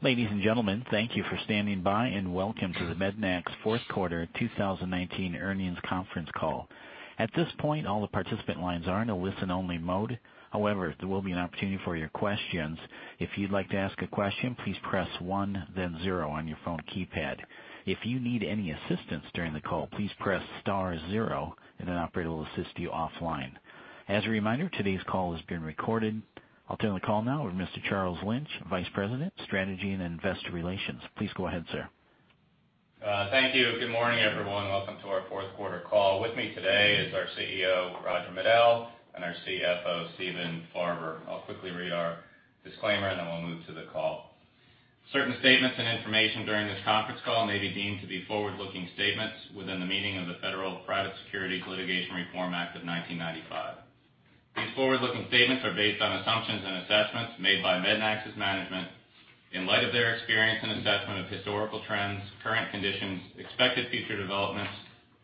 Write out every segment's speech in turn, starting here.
Ladies and gentlemen, thank you for standing by. Welcome to the Mednax fourth quarter 2019 earnings conference call. At this point, all the participant lines are in a listen-only mode. However, there will be an opportunity for your questions. If you'd like to ask a question, please press one, then zero on your phone keypad. If you need any assistance during the call, please press star zero. An operator will assist you offline. As a reminder, today's call is being recorded. I'll turn the call now with Mr. Charles Lynch, Vice President, Strategy and Investor Relations. Please go ahead, sir. Thank you. Good morning, everyone. Welcome to our fourth quarter call. With me today is our CEO, Roger Medel, and our CFO, Stephen Farber. I'll quickly read our disclaimer, and then we'll move to the call. Certain statements and information during this conference call may be deemed to be forward-looking statements within the meaning of the Private Securities Litigation Reform Act of 1995. These forward-looking statements are based on assumptions and assessments made by Mednax's management in light of their experience and assessment of historical trends, current conditions, expected future developments,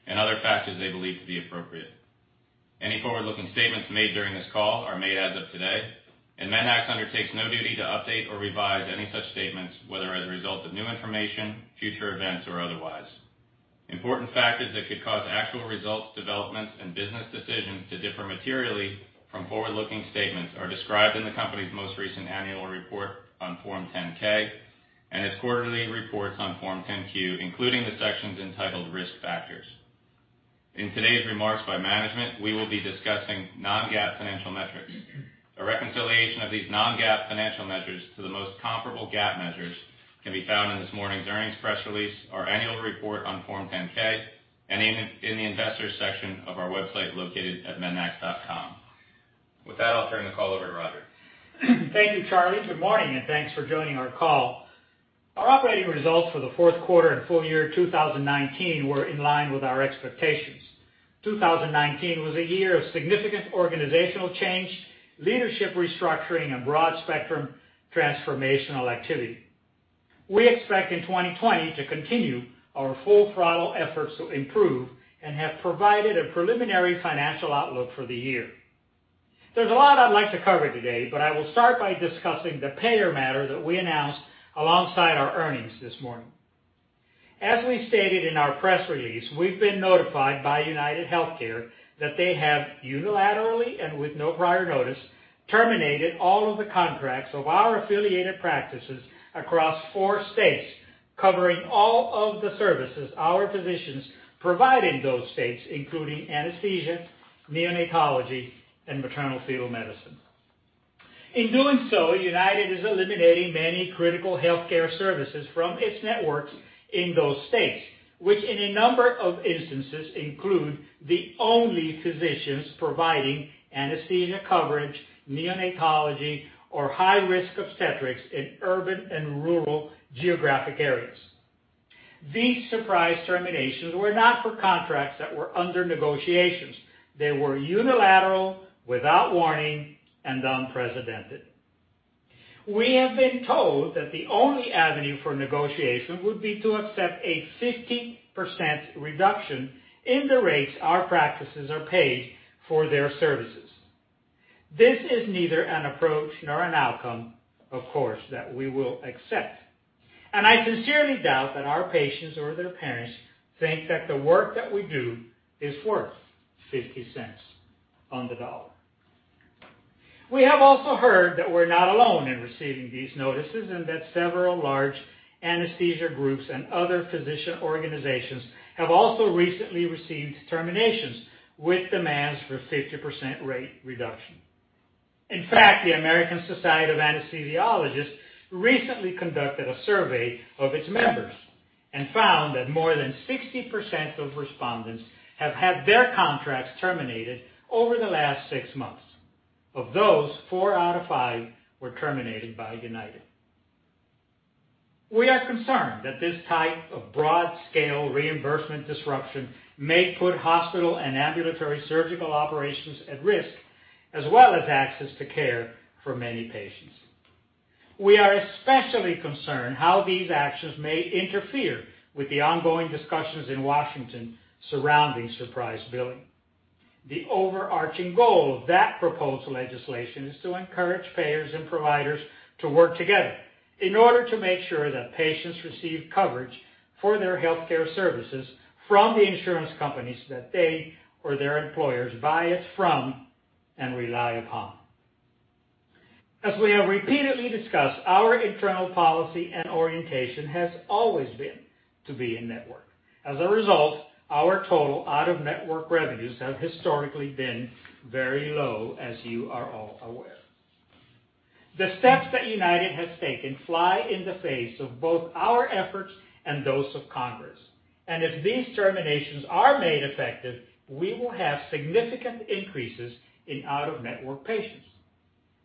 and other factors they believe to be appropriate. Any forward-looking statements made during this call are made as of today, Mednax undertakes no duty to update or revise any such statements, whether as a result of new information, future events, or otherwise. Important factors that could cause actual results, developments, and business decisions to differ materially from forward-looking statements are described in the company's most recent annual report on Form 10-K and its quarterly reports on Form 10-Q, including the sections entitled Risk Factors. In today's remarks by management, we will be discussing non-GAAP financial metrics. A reconciliation of these non-GAAP financial measures to the most comparable GAAP measures can be found in this morning's earnings press release, our annual report on Form 10-K, and in the investors section of our website located at mednax.com. With that, I'll turn the call over to Roger. Thank you, Charlie. Good morning. Thanks for joining our call. Our operating results for the fourth quarter and full-year 2019 were in line with our expectations. 2019 was a year of significant organizational change, leadership restructuring, and broad-spectrum transformational activity. We expect in 2020 to continue our full-throttle efforts to improve and have provided a preliminary financial outlook for the year. There's a lot I'd like to cover today. I will start by discussing the payer matter that we announced alongside our earnings this morning. As we stated in our press release, we've been notified by UnitedHealthcare that they have unilaterally and with no prior notice, terminated all of the contracts of our affiliated practices across four states, covering all of the services our physicians provide in those states, including anesthesia, neonatology, and maternal-fetal medicine. In doing so, United is eliminating many critical healthcare services from its networks in those states, which in a number of instances include the only physicians providing anesthesia coverage, neonatology, or high-risk Obstetrix in urban and rural geographic areas. These surprise terminations were not for contracts that were under negotiations. They were unilateral, without warning, and unprecedented. We have been told that the only avenue for negotiation would be to accept a 50% reduction in the rates our practices are paid for their services. This is neither an approach nor an outcome, of course, that we will accept, and I sincerely doubt that our patients or their parents think that the work that we do is worth $0.50 on the dollar. We have also heard that we're not alone in receiving these notices and that several large anesthesia groups and other physician organizations have also recently received terminations with demands for 50% rate reduction. The American Society of Anesthesiologists recently conducted a survey of its members and found that more than 60% of respondents have had their contracts terminated over the last six months. Of those, four out of five were terminated by United. We are concerned that this type of broad-scale reimbursement disruption may put hospital and ambulatory surgical operations at risk, as well as access to care for many patients. We are especially concerned how these actions may interfere with the ongoing discussions in Washington surrounding surprise billing. The overarching goal of that proposed legislation is to encourage payers and providers to work together in order to make sure that patients receive coverage for their healthcare services from the insurance companies that they or their employers buy it from and rely upon. As we have repeatedly discussed, our internal policy and orientation has always been to be in-network. As a result, our total out-of-network revenues have historically been very low, as you are all aware. The steps that United has taken fly in the face of both our efforts and those of Congress, and if these terminations are made effective, we will have significant increases in out-of-network patients.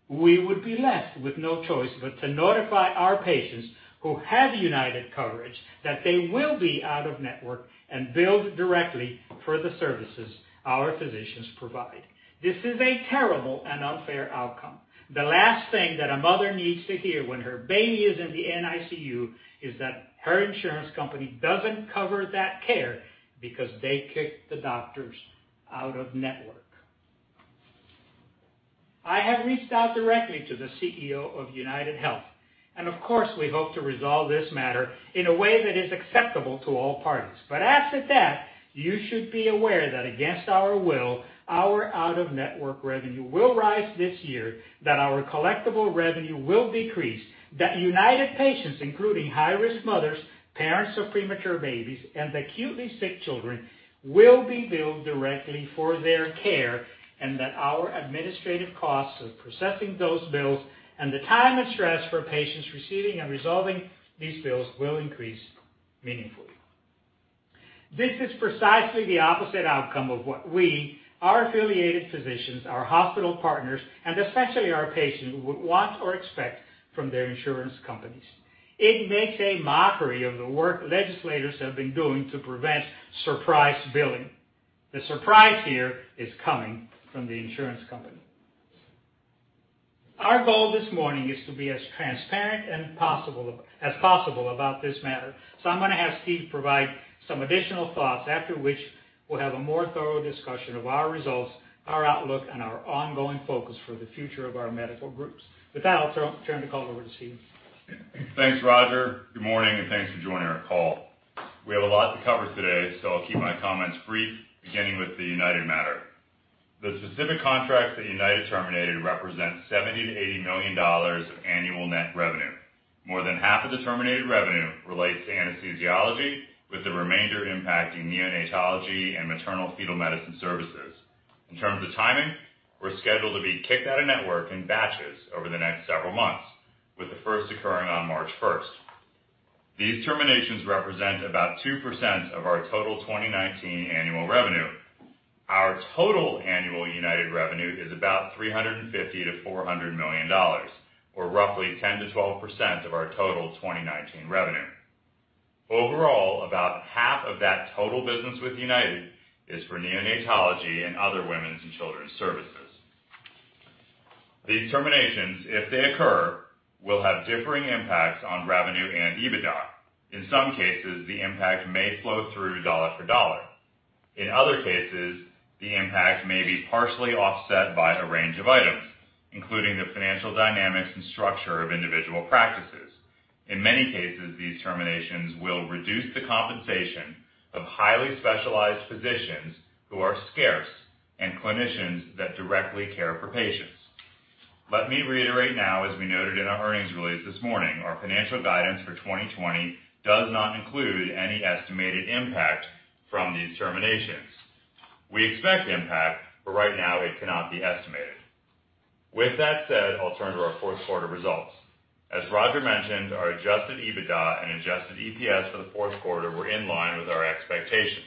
We would be left with no choice but to notify our patients who have United coverage that they will be out-of-network and billed directly for the services our physicians provide. This is a terrible and unfair outcome. The last thing that a mother needs to hear when her baby is in the NICU is that her insurance company doesn't cover that care because they kicked the doctors out of network. I have reached out directly to the CEO of UnitedHealth, and of course, we hope to resolve this matter in a way that is acceptable to all parties. As to that, you should be aware that against our will, our out-of-network revenue will rise this year, that our collectible revenue will decrease, that United patients, including high-risk mothers, parents of premature babies, and acutely sick children, will be billed directly for their care, and that our administrative costs of processing those bills and the time and stress for patients receiving and resolving these bills will increase meaningfully. This is precisely the opposite outcome of what we, our affiliated physicians, our hospital partners, and especially our patients would want or expect from their insurance companies. It makes a mockery of the work legislators have been doing to prevent surprise billing. The surprise here is coming from the insurance company. Our goal this morning is to be as transparent and possible, as possible about this matter. So I'm going to have Steve provide some additional thoughts, after which we'll have a more thorough discussion of our results, our outlook, and our ongoing focus for the future of our medical groups. With that, I'll turn the call over to Stephen. Thanks, Roger. Good morning, and thanks for joining our call. We have a lot to cover today, so I'll keep my comments brief, beginning with the United matter. The specific contracts that United terminated represent $70 million-$80 million of annual net revenue. More than half of the terminated revenue relates to anesthesiology, with the remainder impacting neonatology and maternal-fetal medicine services. In terms of timing, we're scheduled to be kicked out-of-network in batches over the next several months, with the first occurring on March 1st. These terminations represent about 2% of our total 2019 annual revenue. Our total annual United revenue is about $350 million-$400 million, or roughly 10%-12% of our total 2019 revenue. Overall, about half of that total business with United is for neonatology and other women's and children's services. These terminations, if they occur, will have differing impacts on revenue and EBITDA. In some cases, the impact may flow through dollar for dollar. In other cases, the impact may be partially offset by a range of items, including the financial dynamics and structure of individual practices. In many cases, these terminations will reduce the compensation of highly specialized physicians who are scarce and clinicians that directly care for patients. Let me reiterate now, as we noted in our earnings release this morning, our financial guidance for 2020 does not include any estimated impact from these terminations. We expect impact, but right now it cannot be estimated. With that said, I'll turn to our fourth quarter results. As Roger mentioned, our adjusted EBITDA and adjusted EPS for the fourth quarter were in line with our expectations.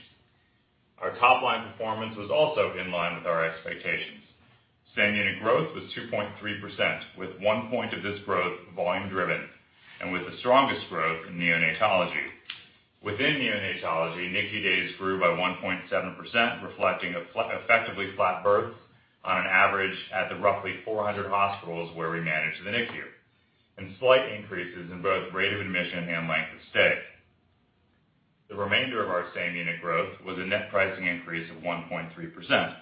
Our top-line performance was also in line with our expectations. Same-unit growth was 2.3%, with one point of this growth volume driven, and with the strongest growth in neonatology. Within neonatology, NICU days grew by 1.7%, reflecting effectively flat births on an average at the roughly 400 hospitals where we manage the NICU, and slight increases in both rate of admission and length of stay. The remainder of our same-unit growth was a net pricing increase of 1.3%.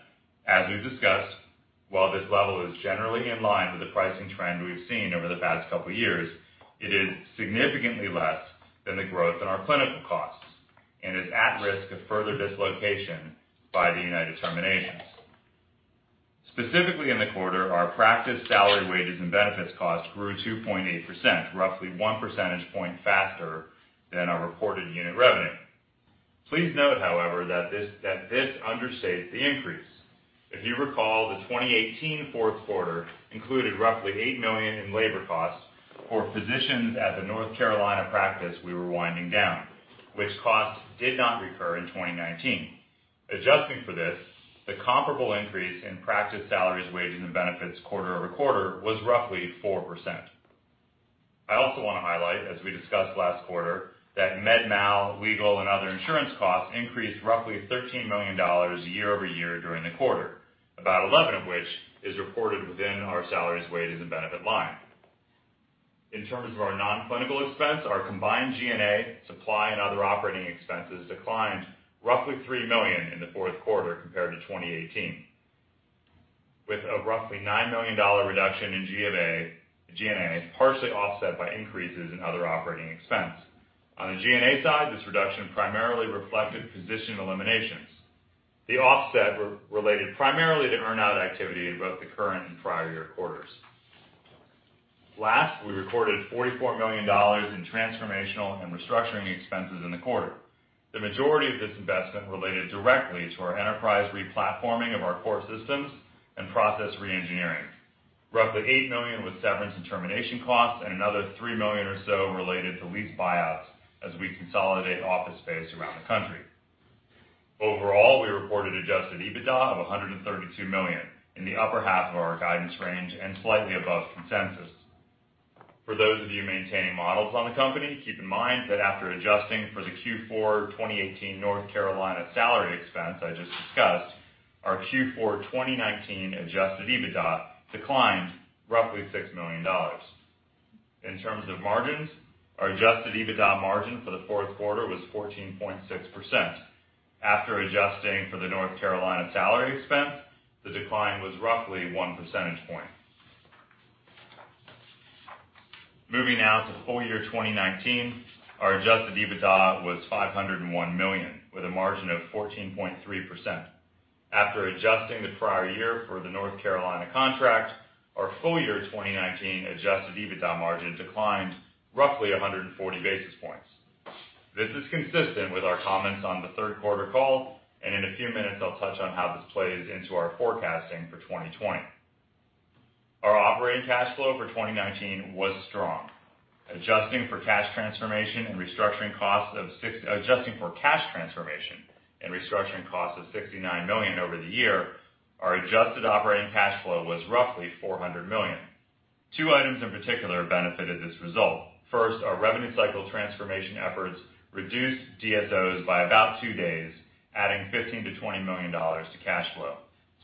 As we've discussed, while this level is generally in line with the pricing trend we've seen over the past couple years, it is significantly less than the growth in our clinical costs and is at risk of further dislocation by the United terminations. Specifically, in the quarter, our practice salary, wages, and benefits costs grew 2.8%, roughly one percentage point faster than our reported unit revenue. Please note, however, that this understates the increase. If you recall, the 2018 fourth quarter included roughly $8 million in labor costs for physicians at the North Carolina practice we were winding down, which costs did not recur in 2019. Adjusting for this, the comparable increase in practice salaries, wages, and benefits quarter-over-quarter was roughly 4%. I also want to highlight, as we discussed last quarter, that med mal, legal, and other insurance costs increased roughly $13 million year-over-year during the quarter, about 11 of which is reported within our salaries, wages, and benefit line. In terms of our non-clinical expense, our combined G&A, supply, and other operating expenses declined roughly $3 million in the fourth quarter compared to 2018. With a roughly $9 million reduction in G&A, partially offset by increases in other operating expense. On the G&A side, this reduction primarily reflected position eliminations. The offset related primarily to earn-out activity in both the current and prior year quarters. Last, we recorded $44 million in transformational and restructuring expenses in the quarter. The majority of this investment related directly to our enterprise re-platforming of our core systems and process re-engineering. Roughly $8 million was severance and termination costs and another $3 million or so related to lease buyouts as we consolidate office space around the country. Overall, we reported adjusted EBITDA of $132 million in the upper half of our guidance range and slightly above consensus. For those of you maintaining models on the company, keep in mind that after adjusting for the Q4 2018 North Carolina salary expense I just discussed, our Q4 2019 adjusted EBITDA declined roughly $6 million. In terms of margins, our adjusted EBITDA margin for the fourth quarter was 14.6%. After adjusting for the North Carolina salary expense, the decline was roughly 1 percentage point. Moving now to full-year 2019, our adjusted EBITDA was $501 million, with a margin of 14.3%. After adjusting the prior year for the North Carolina contract, our full-year 2019 adjusted EBITDA margin declined roughly 140 basis points. This is consistent with our comments on the third quarter call, and in a few minutes, I'll touch on how this plays into our forecasting for 2020. Our operating cash flow for 2019 was strong. Adjusting for cash transformation and restructuring costs of $69 million over the year, our adjusted operating cash flow was roughly $400 million. Two items in particular benefited this result. First, our revenue cycle transformation efforts reduced DSOs by about two days, adding $15 million-$20 million to cash flow.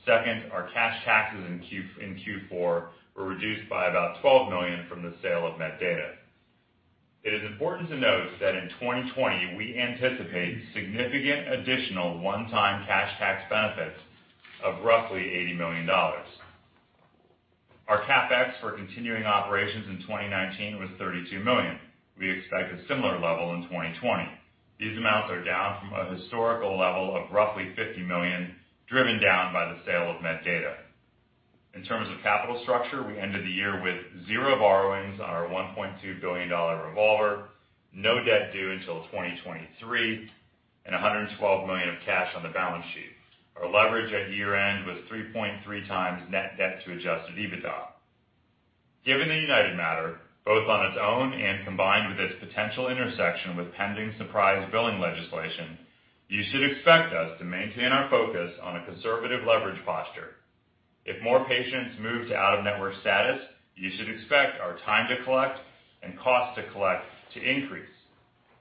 Second, our cash taxes in Q4 were reduced by about $12 million from the sale of MedData. It is important to note that in 2020, we anticipate significant additional one-time cash tax benefits of roughly $80 million. Our CapEx for continuing operations in 2019 was $32 million. We expect a similar level in 2020. These amounts are down from a historical level of roughly $50 million, driven down by the sale of MedData. In terms of capital structure, we ended the year with zero borrowings on our $1.2 billion revolver, no debt due until 2023, and $112 million of cash on the balance sheet. Our leverage at year-end was 3.3x net debt to adjusted EBITDA. Given the United matter, both on its own and combined with its potential intersection with pending surprise billing legislation, you should expect us to maintain our focus on a conservative leverage posture. If more patients move to out-of-network status, you should expect our time to collect and cost to collect to increase.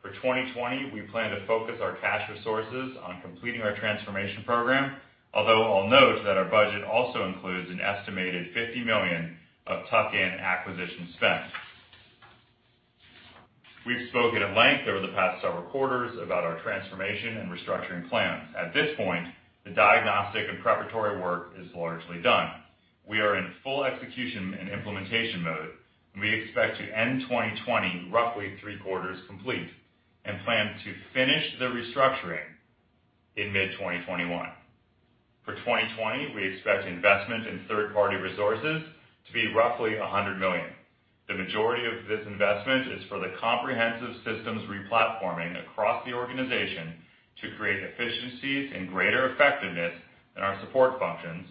For 2020, we plan to focus our cash resources on completing our transformation program, although I'll note that our budget also includes an estimated $50 million of tuck-in acquisition spend. We've spoken at length over the past several quarters about our transformation and restructuring plans. At this point, the diagnostic and preparatory work is largely done. We are in full execution and implementation mode, and we expect to end 2020 roughly three quarters complete and plan to finish the restructuring in mid-2021. For 2020, we expect investment in third-party resources to be roughly $100 million. The majority of this investment is for the comprehensive systems replatforming across the organization to create efficiencies and greater effectiveness in our support functions,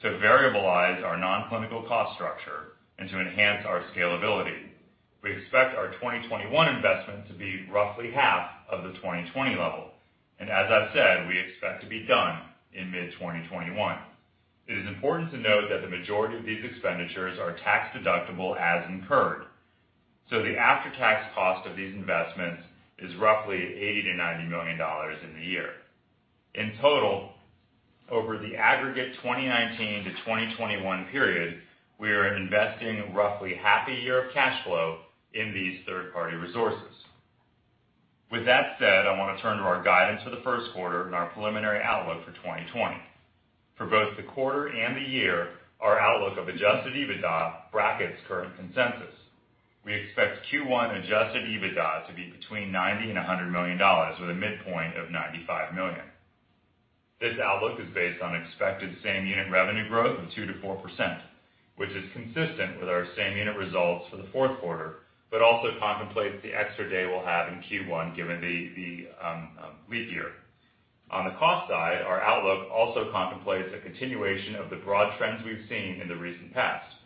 to variabilize our non-clinical cost structure, and to enhance our scalability. We expect our 2021 investment to be roughly half of the 2020 level, and as I've said, we expect to be done in mid-2021. It is important to note that the majority of these expenditures are tax-deductible as incurred, so the after-tax cost of these investments is roughly $80 million-$90 million in the year. In total, over the aggregate 2019 to 2021 period, we are investing roughly half a year of cash flow in these third-party resources. With that said, I want to turn to our guidance for the first quarter and our preliminary outlook for 2020. For both the quarter and the year, our outlook of adjusted EBITDA brackets current consensus. We expect Q1 adjusted EBITDA to be between $90 million and $100 million, with a midpoint of $95 million. This outlook is based on expected same unit revenue growth of 2%-4%, which is consistent with our same unit results for the fourth quarter, but also contemplates the extra day we'll have in Q1 given the leap year. On the cost side, our outlook also contemplates a continuation of the broad trends we've seen in the recent past,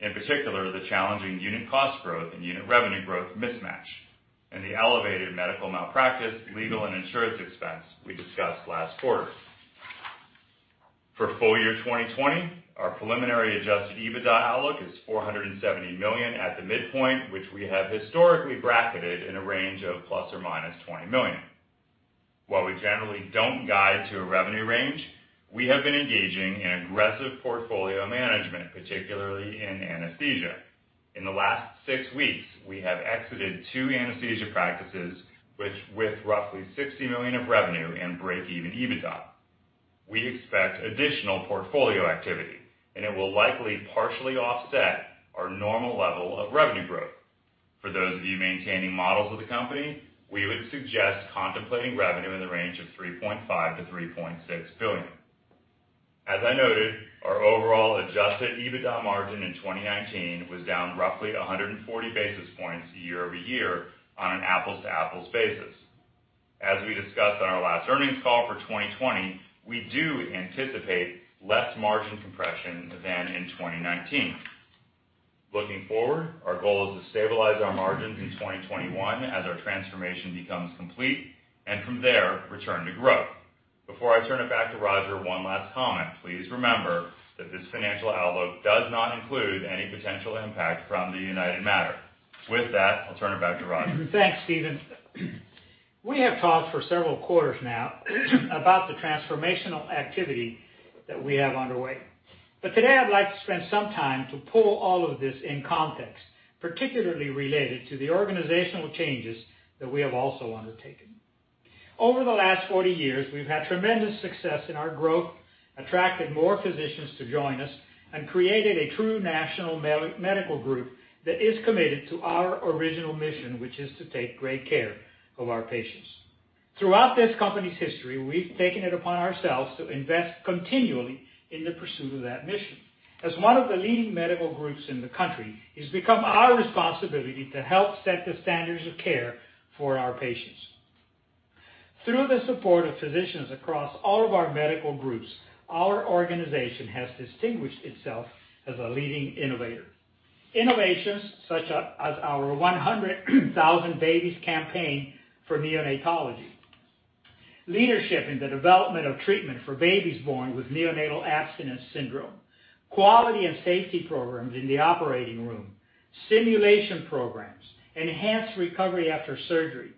in particular, the challenging unit cost growth and unit revenue growth mismatch, and the elevated medical malpractice, legal, and insurance expense we discussed last quarter. For full-year 2020, our preliminary adjusted EBITDA outlook is $470 million at the midpoint, which we have historically bracketed in a range of ±$20 million. While we generally don't guide to a revenue range, we have been engaging in aggressive portfolio management, particularly in anesthesia. In the last six weeks, we have exited two anesthesia practices with roughly $60 million of revenue and break even EBITDA. We expect additional portfolio activity and it will likely partially offset our normal level of revenue growth. For those of you maintaining models with the company, we would suggest contemplating revenue in the range of $3.5 billion-$3.6 billion. As I noted, our overall adjusted EBITDA margin in 2019 was down roughly 140 basis points year-over-year on an apples to apples basis. As we discussed on our last earnings call for 2020, we do anticipate less margin compression than in 2019. Looking forward, our goal is to stabilize our margins in 2021 as our transformation becomes complete, and from there, return to growth. Before I turn it back to Roger, one last comment. Please remember that this financial outlook does not include any potential impact from the United matter. With that, I'll turn it back to Roger. Thanks, Stephen. We have talked for several quarters now about the transformational activity that we have underway. Today, I'd like to spend some time to pull all of this in context, particularly related to the organizational changes that we have also undertaken. Over the last 40 years, we've had tremendous success in our growth, attracted more physicians to join us, and created a true national medical group that is committed to our original mission, which is to take great care of our patients. Throughout this company's history, we've taken it upon ourselves to invest continually in the pursuit of that mission. As one of the leading medical groups in the country, it's become our responsibility to help set the standards of care for our patients. Through the support of physicians across all of our medical groups, our organization has distinguished itself as a leading innovator. Innovations such as our 100,000 Babies Campaign for neonatology, leadership in the development of treatment for babies born with neonatal abstinence syndrome, quality and safety programs in the operating room, simulation programs, enhanced recovery after surgery,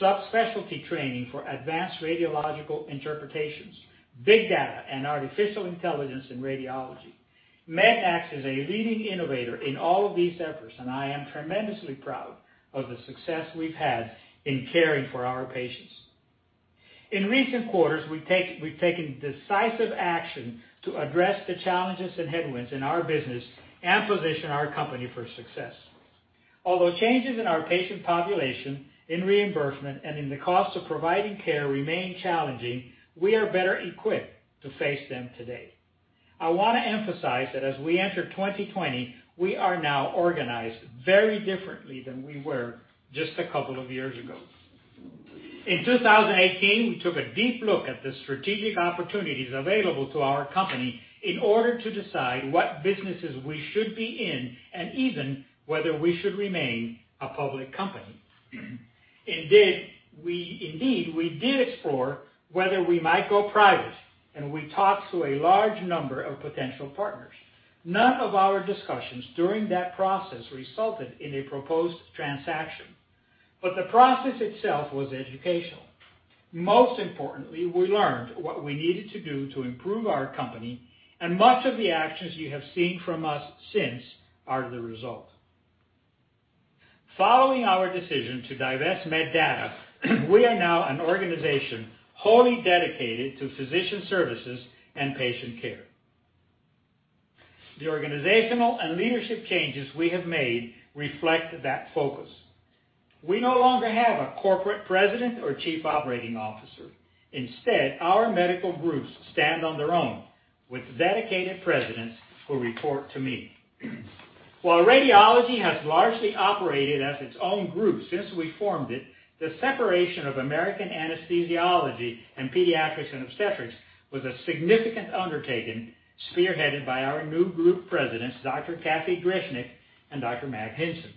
subspecialty training for advanced radiological interpretations, big data, and artificial intelligence in radiology. Mednax is a leading innovator in all of these efforts, and I am tremendously proud of the success we've had in caring for our patients. In recent quarters, we've taken decisive action to address the challenges and headwinds in our business and position our company for success. Although changes in our patient population, in reimbursement, and in the cost of providing care remain challenging, we are better equipped to face them today. I want to emphasize that as we enter 2020, we are now organized very differently than we were just a couple of years ago. In 2018, we took a deep look at the strategic opportunities available to our company in order to decide what businesses we should be in and even whether we should remain a public company. Indeed, we did explore whether we might go private, and we talked to a large number of potential partners. None of our discussions during that process resulted in a proposed transaction, but the process itself was educational. Most importantly, we learned what we needed to do to improve our company, and much of the actions you have seen from us since are the result. Following our decision to divest MedData, we are now an organization wholly dedicated to physician services and patient care. The organizational and leadership changes we have made reflect that focus. We no longer have a corporate president or chief operating officer. Instead, our medical groups stand on their own with dedicated presidents who report to me. While radiology has largely operated as its own group since we formed it, the separation of American Anesthesiology and Pediatrix and Obstetrix was a significant undertaking, spearheaded by our new group presidents, Dr. Kathy Grichnik and Dr. Mack Hinson.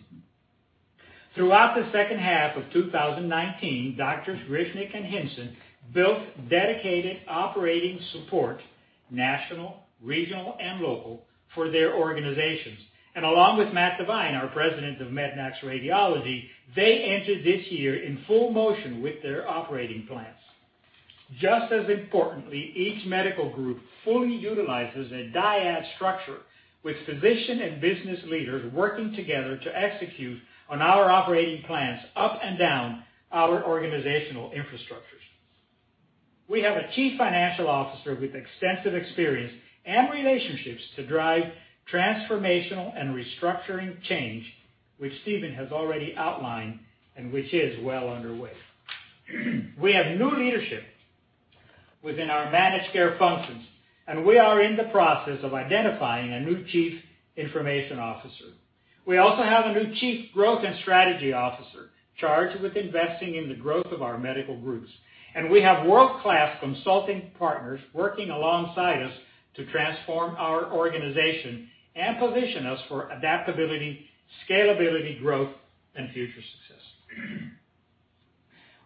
Throughout the second half of 2019, Doctors Grichnik and Hinson built dedicated operating support, national, regional, and local, for their organizations. Along with Matt Devine, our president of Mednax Radiology, they entered this year in full motion with their operating plans. Just as importantly, each medical group fully utilizes a dyad structure with physician and business leaders working together to execute on our operating plans up and down our organizational infrastructures. We have a chief financial officer with extensive experience and relationships to drive transformational and restructuring change, which Stephen has already outlined and which is well underway. We have new leadership within our managed care functions, and we are in the process of identifying a new chief information officer. We also have a new chief growth and strategy officer charged with investing in the growth of our medical groups, and we have world-class consulting partners working alongside us to transform our organization and position us for adaptability, scalability, growth, and future success.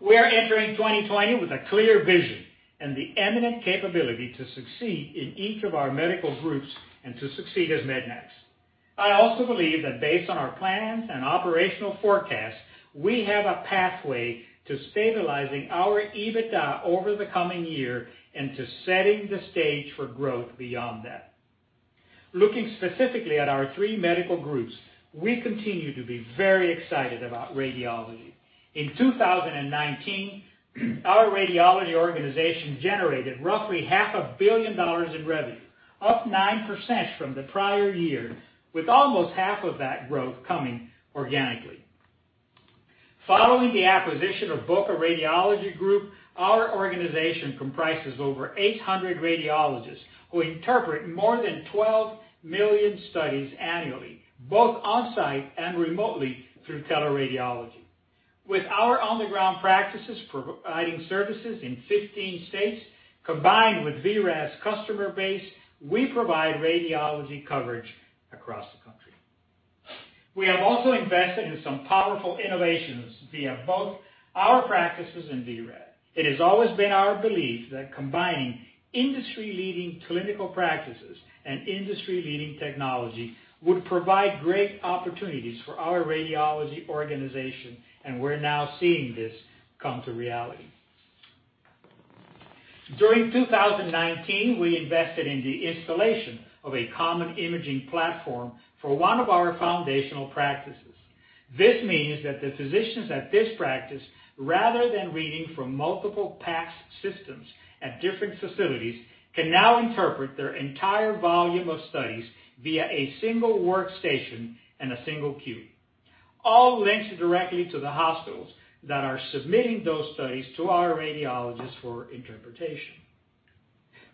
We are entering 2020 with a clear vision and the eminent capability to succeed in each of our medical groups and to succeed as Mednax. I also believe that based on our plans and operational forecasts, we have a pathway to stabilizing our EBITDA over the coming year and to setting the stage for growth beyond that. Looking specifically at our three medical groups, we continue to be very excited about radiology. In 2019, our radiology organization generated roughly $0.5 billion in revenue, up 9% from the prior year, with almost half of that growth coming organically. Following the acquisition of Boca Radiology Group, our organization comprises over 800 radiologists who interpret more than 12 million studies annually, both on-site and remotely through teleradiology. With our on-the-ground practices providing services in 15 states, combined with vRad's customer base, we provide radiology coverage across the country. We have also invested in some powerful innovations via both our practices and vRad. It has always been our belief that combining industry-leading clinical practices and industry-leading technology would provide great opportunities for our radiology organization, and we're now seeing this come to reality. During 2019, we invested in the installation of a common imaging platform for one of our foundational practices. This means that the physicians at this practice, rather than reading from multiple PACS systems at different facilities, can now interpret their entire volume of studies via a single workstation and a single queue, all linked directly to the hospitals that are submitting those studies to our radiologists for interpretation.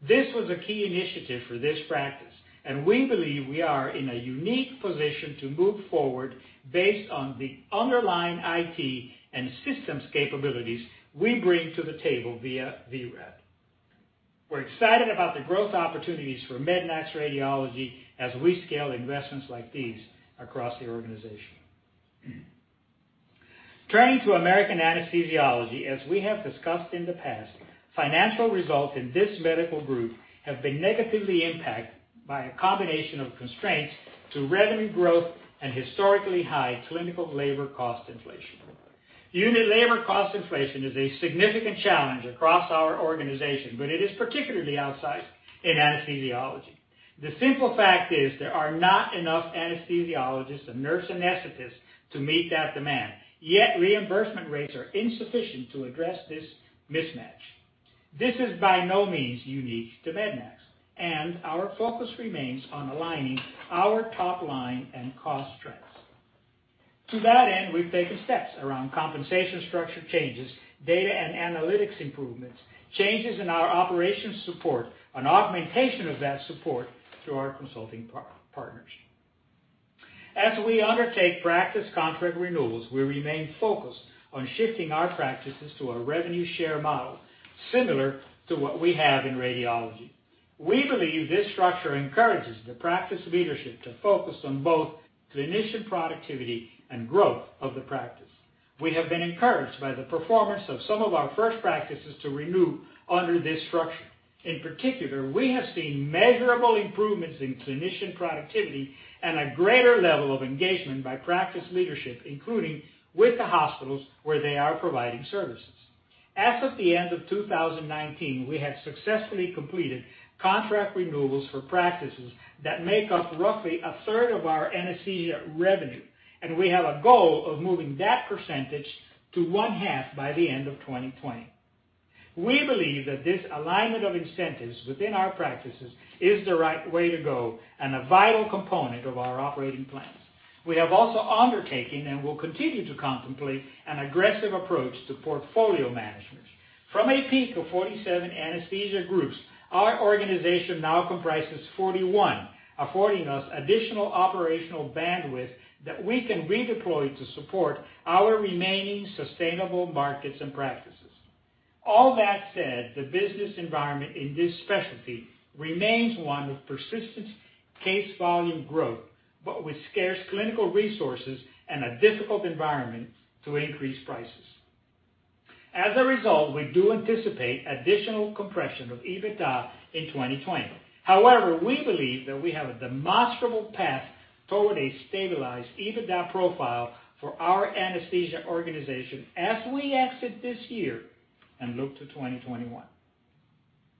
This was a key initiative for this practice, and we believe we are in a unique position to move forward based on the underlying IT and systems capabilities we bring to the table via vRad. We're excited about the growth opportunities for Mednax Radiology as we scale investments like these across the organization. Turning to American Anesthesiology, as we have discussed in the past, financial results in this medical group have been negatively impacted by a combination of constraints to revenue growth and historically high clinical labor cost inflation. Unit labor cost inflation is a significant challenge across our organization, but it is particularly outsized in anesthesiology. The simple fact is, there are not enough anesthesiologists and nurse anesthetists to meet that demand. Yet reimbursement rates are insufficient to address this mismatch. This is by no means unique to Mednax, and our focus remains on aligning our top line and cost trends. To that end, we've taken steps around compensation structure changes, data and analytics improvements, changes in our operations support, and augmentation of that support through our consulting partners. As we undertake practice contract renewals, we remain focused on shifting our practices to a revenue share model similar to what we have in radiology. We believe this structure encourages the practice leadership to focus on both clinician productivity and growth of the practice. We have been encouraged by the performance of some of our first practices to renew under this structure. In particular, we have seen measurable improvements in clinician productivity and a greater level of engagement by practice leadership, including with the hospitals where they are providing services. As of the end of 2019, we have successfully completed contract renewals for practices that make up roughly a third of our anesthesia revenue, and we have a goal of moving that percentage to one-half by the end of 2020. We believe that this alignment of incentives within our practices is the right way to go and a vital component of our operating plans. We have also undertaken and will continue to contemplate an aggressive approach to portfolio management. From a peak of 47 anesthesia groups, our organization now comprises 41, affording us additional operational bandwidth that we can redeploy to support our remaining sustainable markets and practices. All that said, the business environment in this specialty remains one of persistent case volume growth, but with scarce clinical resources and a difficult environment to increase prices. As a result, we do anticipate additional compression of EBITDA in 2020. However, we believe that we have a demonstrable path toward a stabilized EBITDA profile for our anesthesia organization as we exit this year and look to 2021.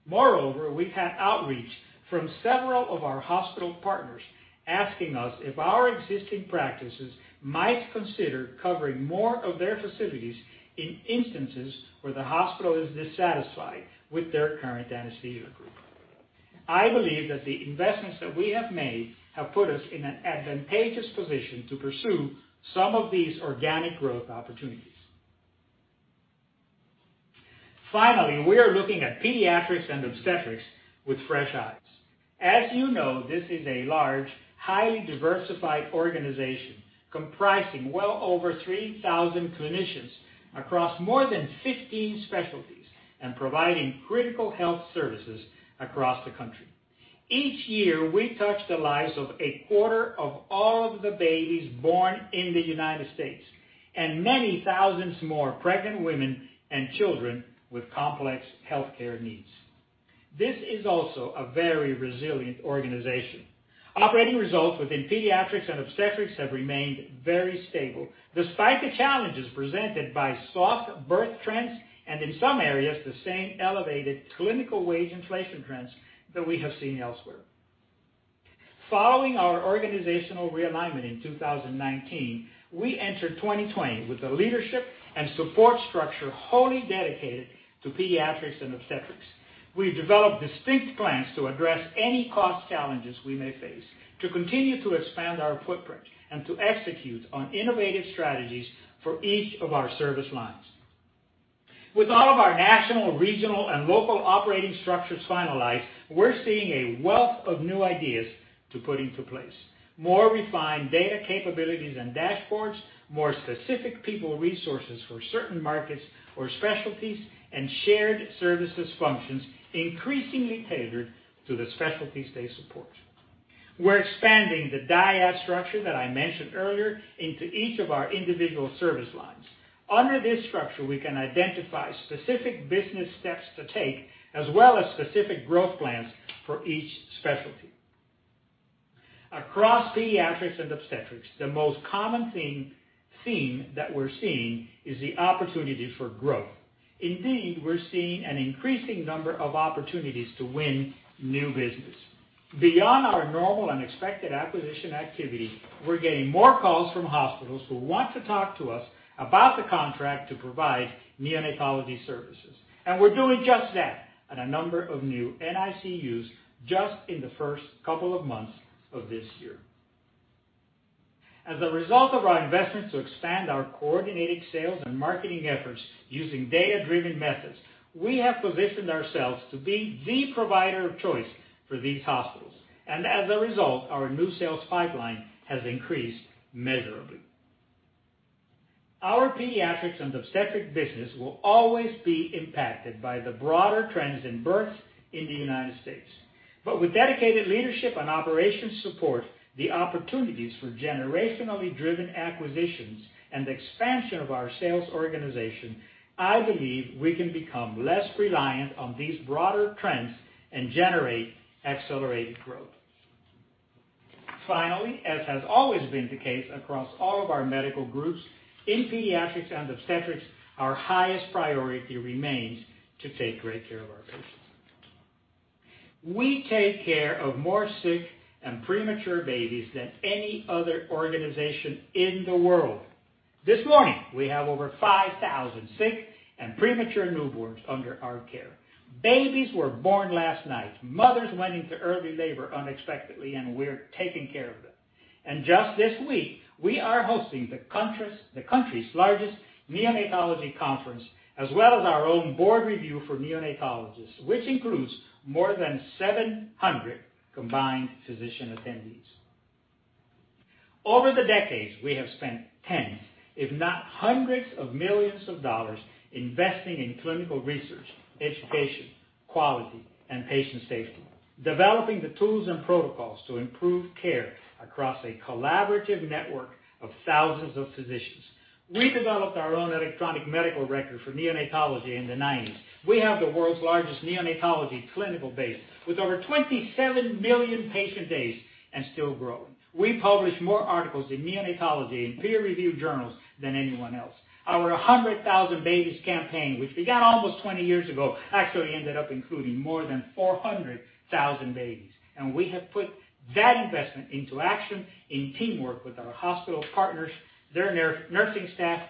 Moreover, we've had outreach from several of our hospital partners asking us if our existing practices might consider covering more of their facilities in instances where the hospital is dissatisfied with their current anesthesia group. I believe that the investments that we have made have put us in an advantageous position to pursue some of these organic growth opportunities. Finally, we are looking at Pediatrix and Obstetrix with fresh eyes. As you know, this is a large, highly diversified organization comprising well over 3,000 clinicians across more than 15 specialties and providing critical health services across the country. Each year, we touch the lives of a quarter of all of the babies born in the United States and many thousands more pregnant women and children with complex healthcare needs. This is also a very resilient organization. Operating results within Pediatrix and Obstetrix have remained very stable, despite the challenges presented by soft birth trends and, in some areas, the same elevated clinical wage inflation trends that we have seen elsewhere. Following our organizational realignment in 2019, we entered 2020 with the leadership and support structure wholly dedicated to Pediatrix and Obstetrix. We've developed distinct plans to address any cost challenges we may face, to continue to expand our footprint, and to execute on innovative strategies for each of our service lines. With all of our national, regional, and local operating structures finalized, we're seeing a wealth of new ideas to put into place. More refined data capabilities and dashboards, more specific people resources for certain markets or specialties, and shared services functions increasingly tailored to the specialties they support. We're expanding the dyad structure that I mentioned earlier into each of our individual service lines. Under this structure, we can identify specific business steps to take, as well as specific growth plans for each specialty. Across Pediatrix and Obstetrix, the most common theme that we're seeing is the opportunity for growth. Indeed, we're seeing an increasing number of opportunities to win new business. Beyond our normal and expected acquisition activity, we're getting more calls from hospitals who want to talk to us about the contract to provide neonatology services, and we're doing just that at a number of new NICUs just in the first couple of months of this year. As a result of our investments to expand our coordinated sales and marketing efforts using data-driven methods, we have positioned ourselves to be the provider of choice for these hospitals, and as a result, our new sales pipeline has increased measurably. Our Pediatrix and Obstetrix business will always be impacted by the broader trends in births in the United States With dedicated leadership and operation support, the opportunities for generationally driven acquisitions, and the expansion of our sales organization, I believe we can become less reliant on these broader trends and generate accelerated growth. Finally, as has always been the case across all of our medical groups, in Pediatrix and Obstetrix, our highest priority remains to take great care of our patients. We take care of more sick and premature babies than any other organization in the world. This morning, we have over 5,000 sick and premature newborns under our care. Babies were born last night. Mothers went into early labor unexpectedly, and we're taking care of them. Just this week, we are hosting the country's largest neonatology conference as well as our own board review for neonatologists, which includes more than 700 combined physician attendees. Over the decades, we have spent tens, if not hundreds of millions of dollars investing in clinical research, education, quality, and patient safety, developing the tools and protocols to improve care across a collaborative network of thousands of physicians. We developed our own electronic medical record for neonatology in the 1990s. We have the world's largest neonatology clinical base with over 27 million patient days and still growing. We publish more articles in neonatology in peer-reviewed journals than anyone else. Our 100,000 Babies Campaign, which began almost 20 years ago, actually ended up including more than 400,000 babies, and we have put that investment into action in teamwork with our hospital partners, their nursing staff,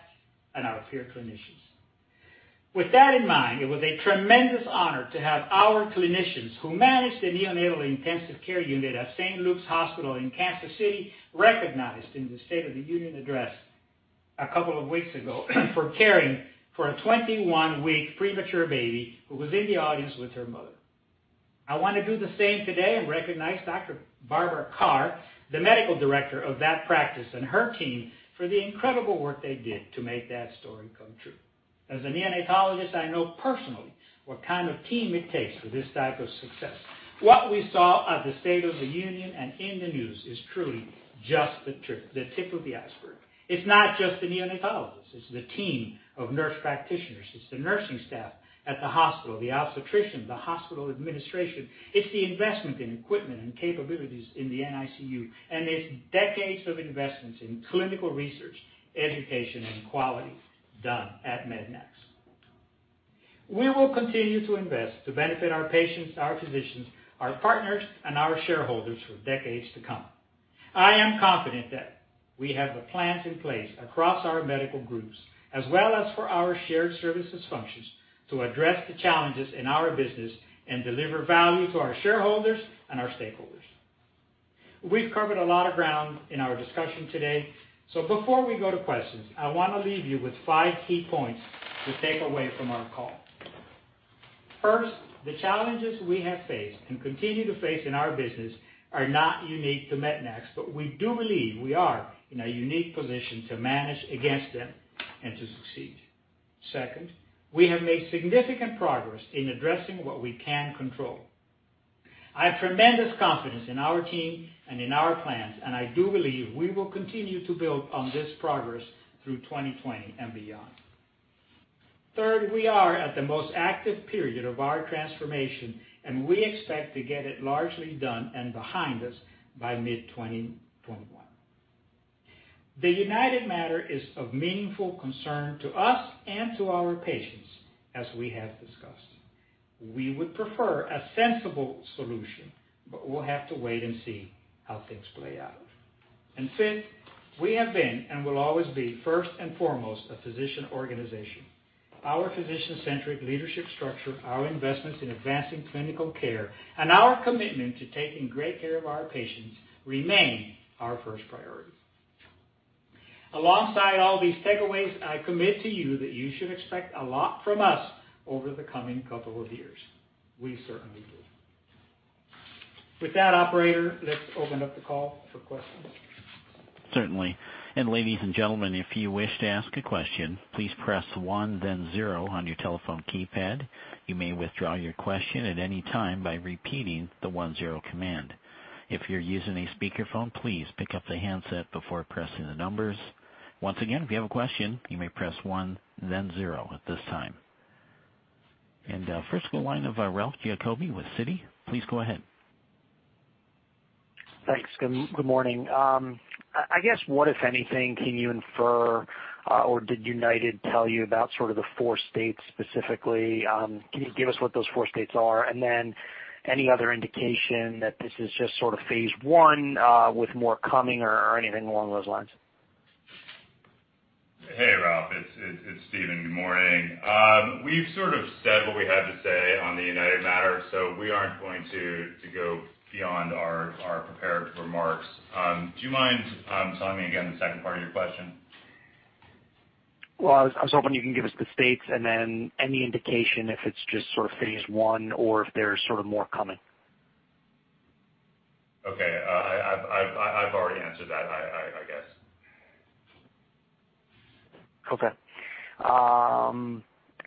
and our peer clinicians. With that in mind, it was a tremendous honor to have our clinicians who manage the neonatal intensive care unit at Saint Luke's Hospital in Kansas City recognized in the State of the Union address a couple of weeks ago for caring for a 21-week premature baby who was in the audience with her mother. I want to do the same today and recognize Dr. Barbara Carr, the medical director of that practice, and her team for the incredible work they did to make that story come true. As a neonatologist, I know personally what kind of team it takes for this type of success. What we saw at the State of the Union and in the news is truly just the tip of the iceberg. It's not just the neonatologist, it's the team of nurse practitioners, it's the nursing staff at the hospital, the obstetrician, the hospital administration. It's the investment in equipment and capabilities in the NICU, and it's decades of investments in clinical research, education, and quality done at Mednax. We will continue to invest to benefit our patients, our physicians, our partners, and our shareholders for decades to come. I am confident that we have the plans in place across our medical groups as well as for our shared services functions to address the challenges in our business and deliver value to our shareholders and our stakeholders. We've covered a lot of ground in our discussion today. Before we go to questions, I want to leave you with five key points to take away from our call. First, the challenges we have faced and continue to face in our business are not unique to Mednax, but we do believe we are in a unique position to manage against them and to succeed. Second, we have made significant progress in addressing what we can control. I have tremendous confidence in our team and in our plans, and I do believe we will continue to build on this progress through 2020 and beyond. Third, we are at the most active period of our transformation, and we expect to get it largely done and behind us by mid-2021. The United matter is of meaningful concern to us and to our patients as we have discussed. We would prefer a sensible solution, but we'll have to wait and see how things play out. Fifth, we have been and will always be, first and foremost, a physician organization. Our physician-centric leadership structure, our investments in advancing clinical care, and our commitment to taking great care of our patients remain our first priority. Alongside all these takeaways, I commit to you that you should expect a lot from us over the coming couple of years. We certainly do. With that, Operator, let's open up the call for questions. Certainly. Ladies and gentlemen, if you wish to ask a question, please press one then zero on your telephone keypad. You may withdraw your question at any time by repeating the one-zero command. If you're using a speakerphone, please pick up the handset before pressing the numbers. Once again, if you have a question, you may press one then zero at this time. First we go line of Ralph Giacobbe with Citi. Please go ahead. Thanks. Good morning. I guess what, if anything, can you infer or did United tell you about sort of the four states specifically? Can you give us what those four states are? Any other indication that this is just sort of phase I with more coming or anything along those lines? Hey, Ralph. It's Stephen. Good morning. We've sort of said what we had to say on the United matter. We aren't going to go beyond our prepared remarks. Do you mind telling me again the second part of your question? Well, I was hoping you can give us the states and then any indication if it's just sort of phase I or if there's sort of more coming. Okay. I've already answered that, I guess. Okay.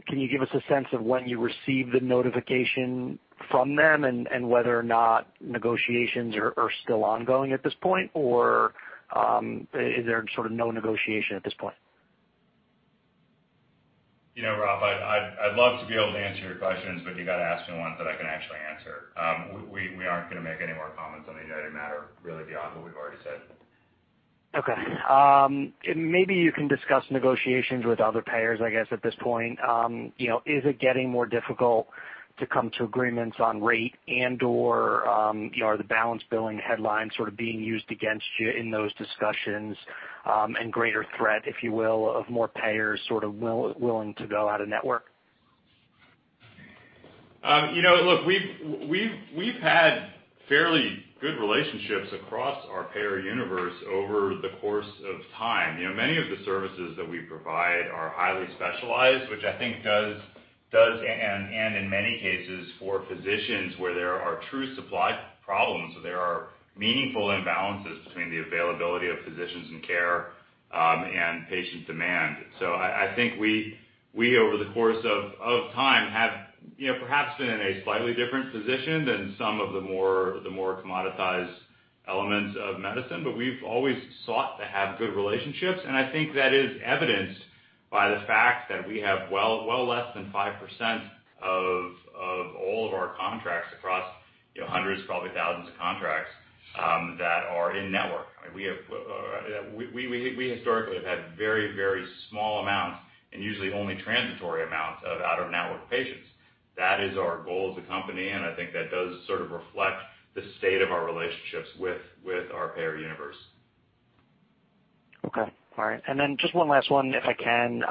Can you give us a sense of when you received the notification from them and whether or not negotiations are still ongoing at this point, or is there sort of no negotiation at this point? You know, Ralph, I'd love to be able to answer your questions, but you got to ask me ones that I can actually answer. We aren't going to make any more comments on the United matter really beyond what we've already said. Okay. Maybe you can discuss negotiations with other payers, I guess, at this point. Is it getting more difficult to come to agreements on rate and/or, the balance billing headline sort of being used against you in those discussions and greater threat, if you will, of more payers sort of willing to go out-of-network? Look, we've had fairly good relationships across our payer universe over the course of time. Many of the services that we provide are highly specialized, which I think, and in many cases for physicians where there are true supply problems, there are meaningful imbalances between the availability of physicians and care, and patient demand. I think we, over the course of time, have perhaps been in a slightly different position than some of the more commoditized elements of medicine, but we've always sought to have good relationships, and I think that is evidenced by the fact that we have well less than 5% of all of our contracts across hundreds, probably thousands of contracts, that are in-network. We historically have had very small amounts and usually only transitory amounts of out-of-network patients. That is our goal as a company, and I think that does sort of reflect the state of our relationships with our payer universe. Okay. All right. Just one last one, if I can.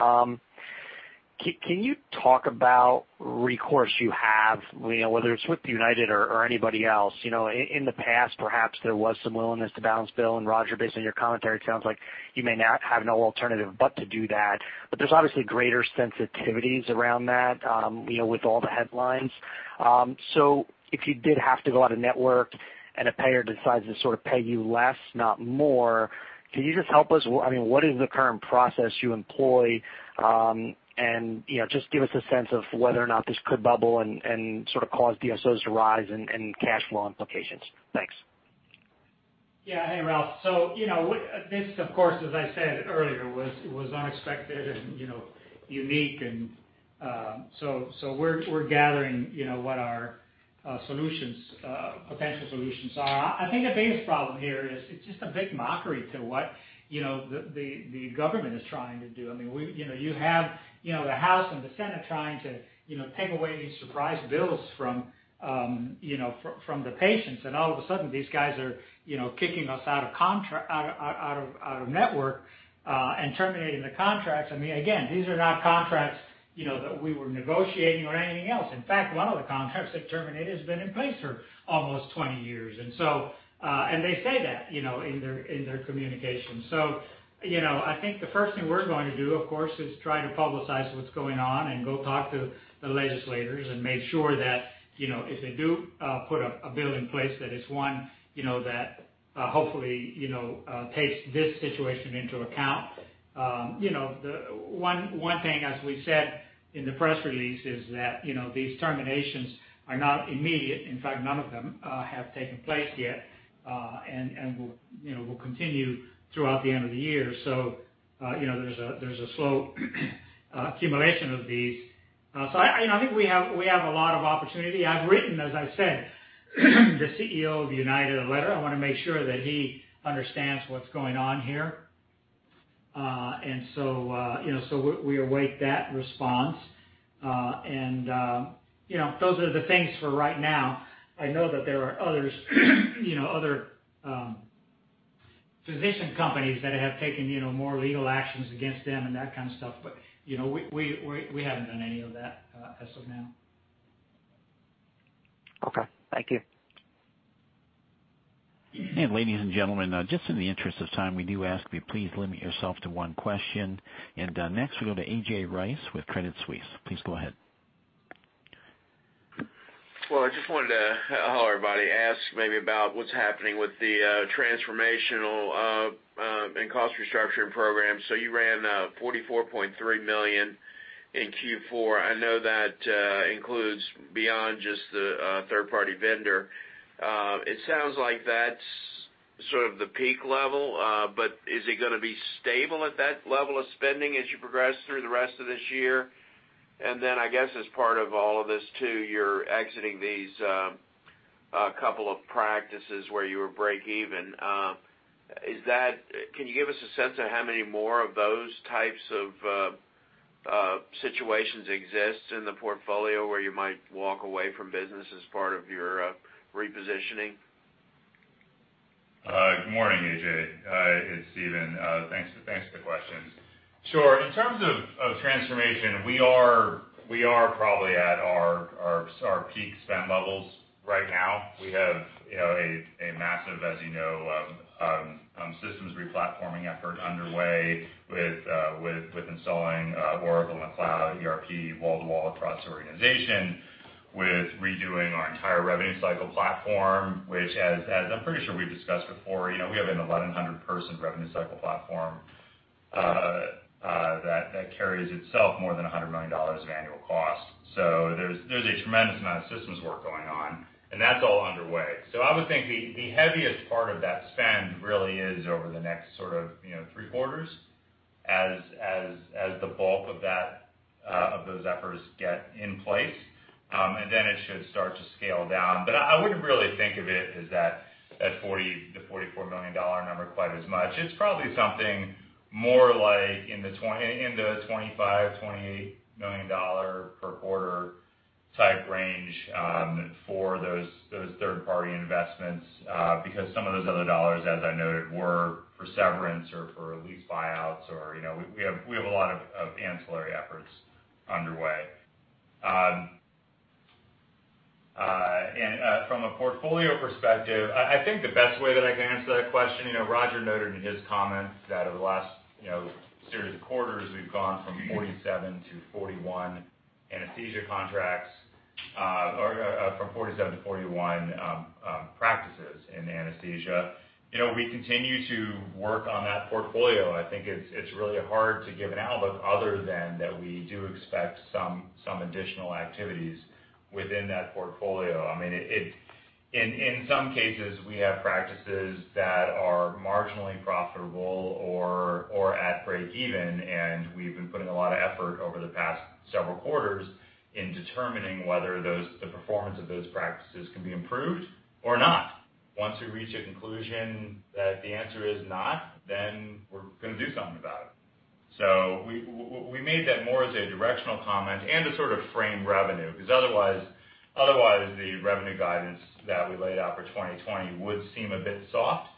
Can you talk about recourse you have, whether it's with United or anybody else? In the past, perhaps there was some willingness to balance bill, and Roger, based on your commentary, it sounds like you may not have no alternative but to do that. There's obviously greater sensitivities around that, with all the headlines. If you did have to go out-of-network and a payer decides to sort of pay you less, not more, can you just help us, what is the current process you employ? Just give us a sense of whether or not this could bubble and sort of cause DSOs to rise and cash flow implications. Thanks. Yeah. Hey, Ralph. This, of course, as I said earlier, was unexpected and unique. We're gathering what our potential solutions are. I think the biggest problem here is it's just a big mockery to what the government is trying to do. You have the House and the Senate trying to take away these surprise bills from the patients. All of a sudden these guys are kicking us out-of-network and terminating the contracts. Again, these are not contracts that we were negotiating or anything else. In fact, one of the contracts they terminated has been in place for almost 20 years. They say that in their communications. I think the first thing we're going to do, of course, is try to publicize what's going on and go talk to the legislators and make sure that if they do put a bill in place, that it's one that hopefully takes this situation into account. One thing, as we said in the press release, is that these terminations are not immediate. In fact, none of them have taken place yet, and will continue throughout the end of the year. There's a slow accumulation of these. I think we have a lot of opportunity. I've written, as I've said, the CEO of United a letter. I want to make sure that he understands what's going on here. We await that response. Those are the things for right now. I know that there are other physician companies that have taken more legal actions against them and that kind of stuff, but we haven't done any of that as of now. Okay. Thank you. Ladies and gentlemen, just in the interest of time, we do ask that you please limit yourself to one question. Next we go to A.J. Rice with Credit Suisse. Please go ahead. Well, I just wanted to, hello everybody, ask maybe about what's happening with the transformational and cost restructuring program. You ran $44.3 million in Q4. I know that includes beyond just the third-party vendor. It sounds like that's sort of the peak level, but is it going to be stable at that level of spending as you progress through the rest of this year? Then, I guess as part of all of this too, you're exiting these couple of practices where you were break even. Can you give us a sense of how many more of those types of situations exist in the portfolio where you might walk away from business as part of your repositioning? Good morning, A.J. It's Stephen. Thanks for the questions. Sure. In terms of transformation, we are probably at our peak spend levels right now. We have a massive, as you know, systems replatforming effort underway with installing Oracle and Cloud ERP wall-to-wall across the organization, with redoing our entire revenue cycle platform, which as I'm pretty sure we've discussed before, we have an 1,100-person revenue cycle platform that carries itself more than $100 million of annual costs. There's a tremendous amount of systems work going on, and that's all underway. I would think the heaviest part of that spend really is over the next three quarters, as the bulk of those efforts get in place. It should start to scale down. I wouldn't really think of it as that $40 million-$44 million number quite as much. It's probably something more like in the $25 million, $28 million per quarter type range for those third-party investments, because some of those other dollars, as I noted, were for severance or for lease buyouts or we have a lot of ancillary efforts underway. From a portfolio perspective, I think the best way that I can answer that question, Roger noted in his comments that over the last series of quarters, we've gone from 47 to 41 anesthesia contracts, or from 47 to 41 practices in anesthesia. We continue to work on that portfolio. I think it's really hard to give an outlook other than that we do expect some additional activities within that portfolio. In some cases, we have practices that are marginally profitable or at break even, and we've been putting a lot of effort over the past several quarters in determining whether the performance of those practices can be improved or not. Once we reach a conclusion that the answer is not, then we're going to do something about it. We made that more as a directional comment and to sort of frame revenue, because otherwise, the revenue guidance that we laid out for 2020 would seem a bit soft.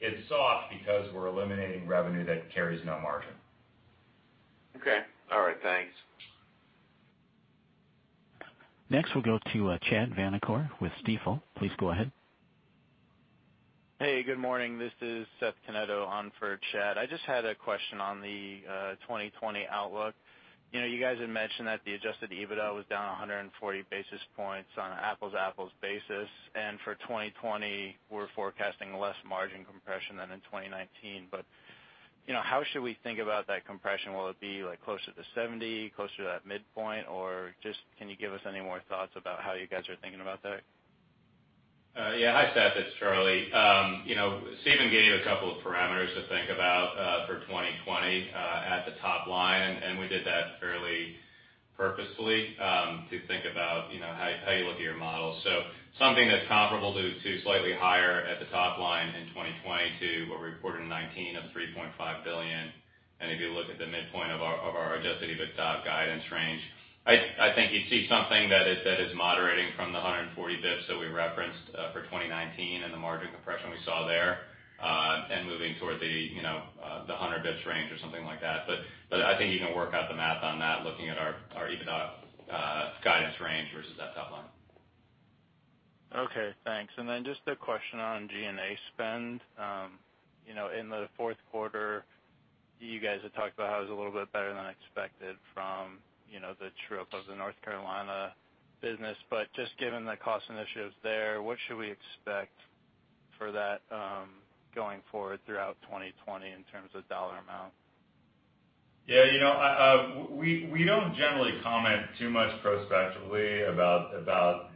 It's soft because we're eliminating revenue that carries no margin. Okay. All right. Thanks. Next, we'll go to Chad VanAcore with Stifel. Please go ahead. Hey, good morning. This is Seth Canetto on for Chad. I just had a question on the 2020 outlook. You guys had mentioned that the adjusted EBITDA was down 140 basis points on an apples-to-apples basis, and for 2020, we're forecasting less margin compression than in 2019. How should we think about that compression? Will it be closer to 70, closer to that midpoint, or just can you give us any more thoughts about how you guys are thinking about that? Yeah. Hi, Seth, it's Charlie. Stephen gave a couple of parameters to think about for 2020 at the top line, we did that fairly purposefully to think about how you look at your model. Something that's comparable to slightly higher at the top line in 2020 to what we reported in 2019 of $3.5 billion. If you look at the midpoint of our adjusted EBITDA guidance range, I think you'd see something that is moderating from the 140 basis points that we referenced for 2019 and the margin compression we saw there, and moving toward the 100 basis points range or something like that. I think you can work out the math on that looking at our EBITDA guidance range versus that top line. Okay, thanks. Just a question on G&A spend. In the fourth quarter, you guys had talked about how it was a little bit better than expected from the true-up of the North Carolina business, just given the cost initiatives there, what should we expect for that going forward throughout 2020 in terms of dollar amount? We don't generally comment too much prospectively about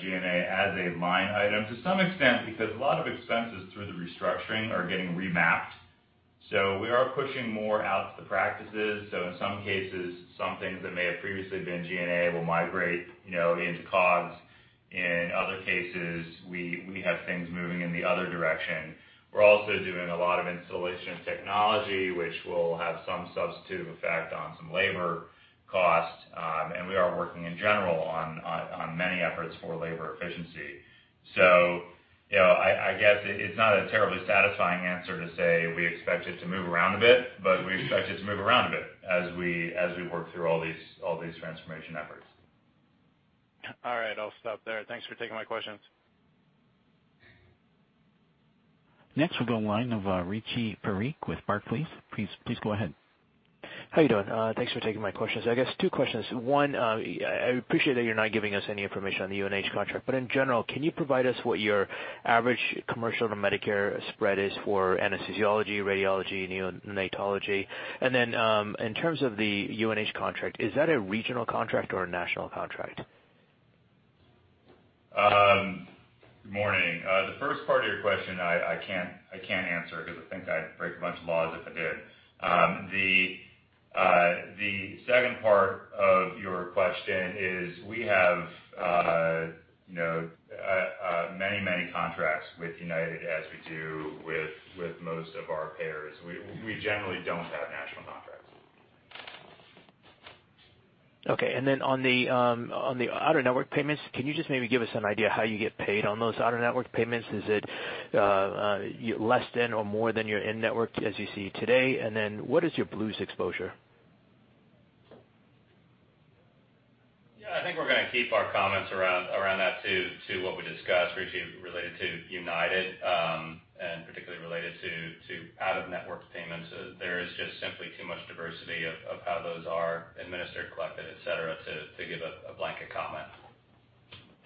G&A as a line item to some extent because a lot of expenses through the restructuring are getting remapped. We are pushing more out to the practices. In some cases, some things that may have previously been G&A will migrate into COGS. In other cases, we have things moving in the other direction. We're also doing a lot of installation of technology, which will have some substantive effect on some labor costs. We are working in general on many efforts for labor efficiency. I guess it's not a terribly satisfying answer to say we expect it to move around a bit, but we expect it to move around a bit as we work through all these transformation efforts. All right, I'll stop there. Thanks for taking my questions. Next, we'll go line of Rishi Parekh with Barclays. Please go ahead. How you doing? Thanks for taking my questions. I guess two questions. I appreciate that you're not giving us any information on the UNH contract. In general, can you provide us what your average commercial to Medicare spread is for anesthesiology, radiology, neonatology? In terms of the UNH contract, is that a regional contract or a national contract? Good morning. The first part of your question, I can't answer because I think I'd break a bunch of laws if I did. The second part of your question is, we have many contracts with United, as we do with most of our payers. We generally don't have national contracts. Okay. On the out-of-network payments, can you just maybe give us an idea how you get paid on those out-of-network payments? Is it less than or more than your in-network as you see today? What is your Blues exposure? Yeah, I think we're going to keep our comments around that to what we discussed, Rishi, related to United, and particularly related to out-of-network payments. There is just simply too much diversity of how those are administered, collected, et cetera, to give a blanket comment.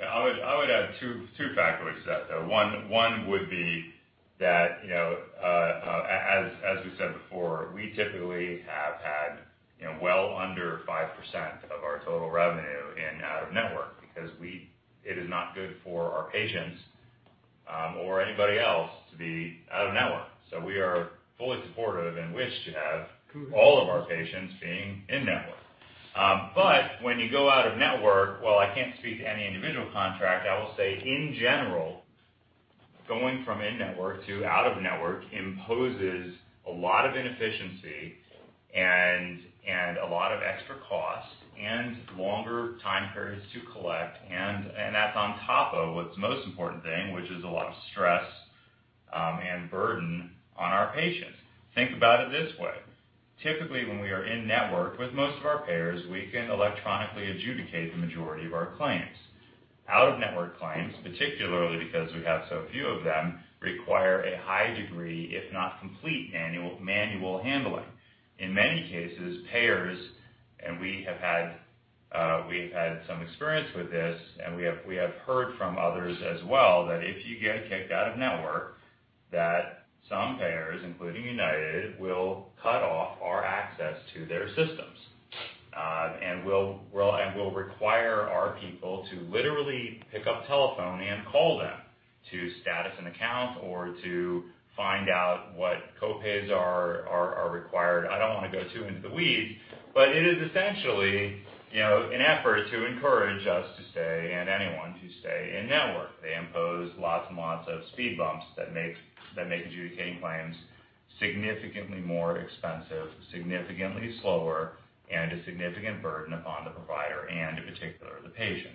Yeah, I would add two factors to that, though. One would be that, as we said before, we typically have had well under 5% of our total revenue in out-of-network, because it is not good for our patients, or anybody else, to be out-of-network. We are fully supportive and wish to have all of our patients being in-network. When you go out-of-network, while I can't speak to any individual contract, I will say, in general, going from in-network to out-of-network imposes a lot of inefficiency and a lot of extra cost and longer time periods to collect. That's on top of what's the most important thing, which is a lot of stress and burden on our patients. Think about it this way. Typically, when we are in-network with most of our payers, we can electronically adjudicate the majority of our claims. Out-of-network claims, particularly because we have so few of them, require a high degree, if not complete, manual handling. In many cases, payers, and we've had some experience with this, and we have heard from others as well, that if you get kicked out-of-network, that some payers, including United, will cut off our access to their systems. Will require our people to literally pick up the telephone and call them to status an account or to find out what co-pays are required. I don't want to go too into the weeds, but it is essentially an effort to encourage us to stay, and anyone to stay, in-network. They impose lots and lots of speed bumps that make adjudicating claims significantly more expensive, significantly slower, and a significant burden upon the provider and, in particular, the patient.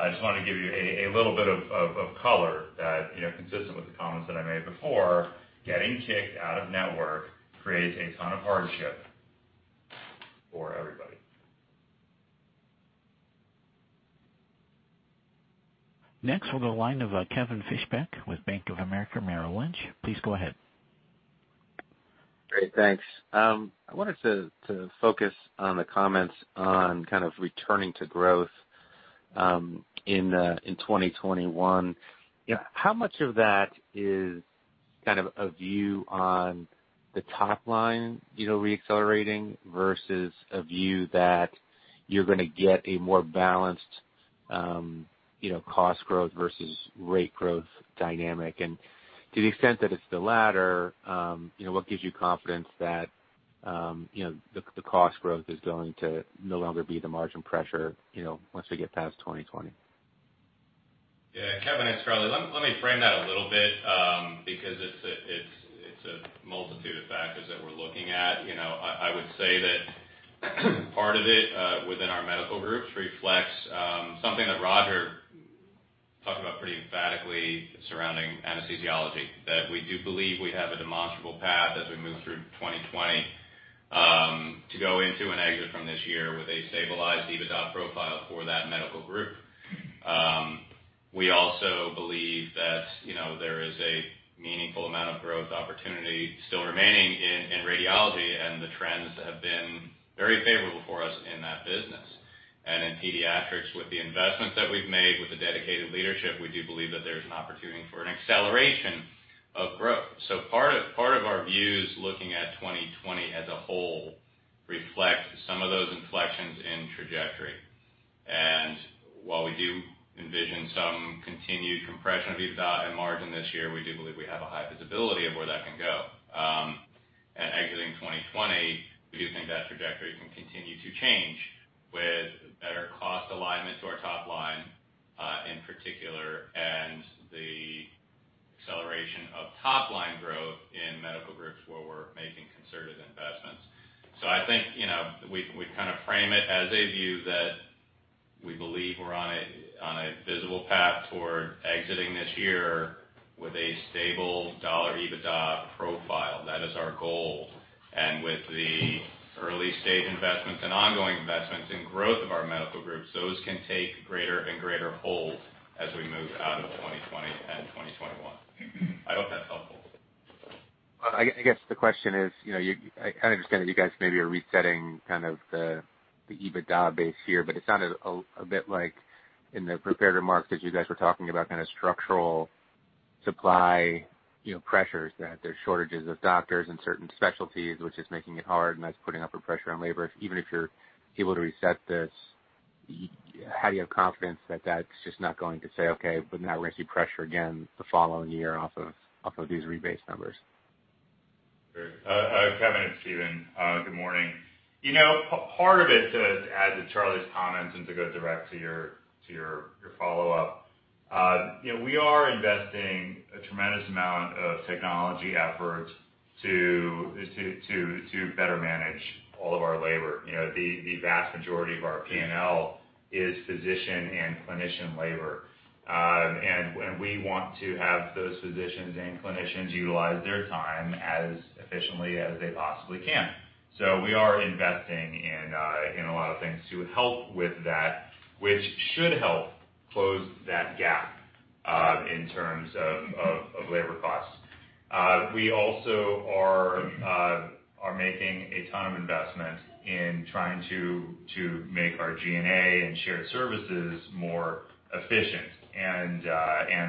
I just wanted to give you a little bit of color that, consistent with the comments that I made before, getting kicked out-of-network creates a ton of hardship for everybody. Next, we'll go line of Kevin Fischbeck with Bank of America Merrill Lynch. Please go ahead. Great. Thanks. I wanted to focus on the comments on kind of returning to growth in 2021. Yeah. How much of that is kind of a view on the top line re-accelerating versus a view that you're going to get a more balanced cost growth versus rate growth dynamic? To the extent that it's the latter, what gives you confidence that the cost growth is going to no longer be the margin pressure once we get past 2020? Yeah. Kevin, it's Charlie. Let me frame that a little bit, because it's a multitude of factors that we're looking at. I would say that part of it, within our medical groups, reflects something that Roger talked about pretty emphatically surrounding anesthesiology, that we do believe we have a demonstrable path as we move through 2020, to go into and exit from this year with a stabilized EBITDA profile for that medical group. We also believe that there is a meaningful amount of growth opportunity still remaining in radiology and the trends have been very favorable for us in that business. In Pediatrix, with the investments that we've made, with the dedicated leadership, we do believe that there's an opportunity for an acceleration of growth. Part of our views looking at 2020 as a whole reflect some of those inflections in trajectory. While we do envision some continued compression of EBITDA and margin this year, we do believe we have a high visibility of where that can go. Exiting 2020, we do think that trajectory can continue to change with better cost alignment to our top line, in particular, and the acceleration of top-line growth in medical groups where we're making concerted investments. I think, we kind of frame it as a view that we believe we're on a visible path toward exiting this year with a stable dollar EBITDA profile. That is our goal. With the early-stage investments and ongoing investments in growth of our medical groups, those can take greater and greater hold as we move out of 2020 and 2021. I hope that's helpful. Well, I guess the question is, I understand that you guys maybe are resetting the EBITDA base here, but it sounded a bit like in the prepared remarks, as you guys were talking about kind of structural supply pressures, that there's shortages of doctors in certain specialties, which is making it hard, and that's putting upward pressure on labor. Even if you're able to reset this, how do you have confidence that that's just not going to say, "Okay, but now we're going to see pressure again the following year off of these rebased numbers? Kevin, it's Stephen. Good morning. Part of it, to add to Charlie's comments and to go direct to your follow-up, we are investing a tremendous amount of technology effort to better manage all of our labor. The vast majority of our P&L is physician and clinician labor. We want to have those physicians and clinicians utilize their time as efficiently as they possibly can. We are investing in a lot of things to help with that, which should help close that gap, in terms of labor costs. We also are making a ton of investment in trying to make our G&A and shared services more efficient and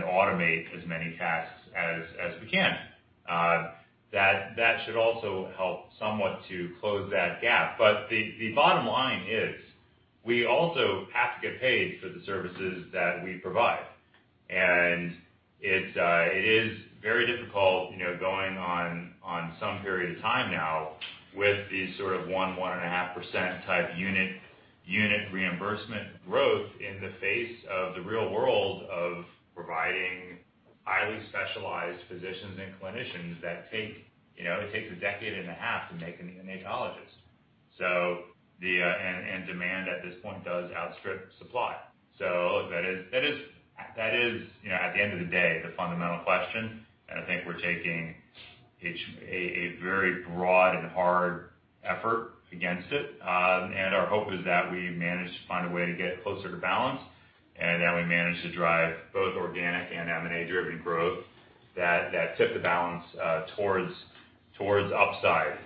automate as many tasks as we can. That should also help somewhat to close that gap. The bottom line is, we also have to get paid for the services that we provide. It is very difficult, going on some period of time now, with these sort of 1%, 1.5% type unit reimbursement growth in the face of the real world of providing highly specialized physicians and clinicians. It takes a decade and a half to make a neonatologist. Demand at this point does outstrip supply. That is, at the end of the day, the fundamental question, and I think we're taking a very broad and hard effort against it. Our hope is that we manage to find a way to get closer to balance and that we manage to drive both organic and M&A-driven growth that tip the balance towards upside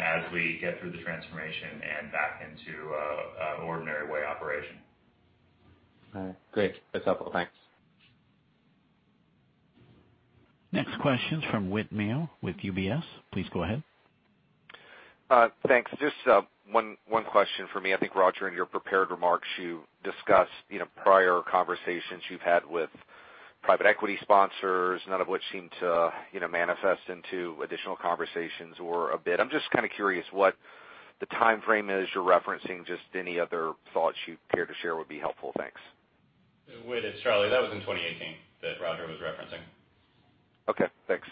as we get through the transformation and back into ordinary way operation. All right. Great. That's helpful. Thanks. Next question's from Whit Mayo with UBS. Please go ahead. Thanks. Just one question from me. I think, Roger, in your prepared remarks, you discussed prior conversations you've had with private equity sponsors, none of which seemed to manifest into additional conversations or a bid. I'm just kind of curious what the timeframe is you're referencing, just any other thoughts you care to share would be helpful. Thanks. Whit, it's Charlie. That was in 2018 that Roger was referencing. Okay, thanks.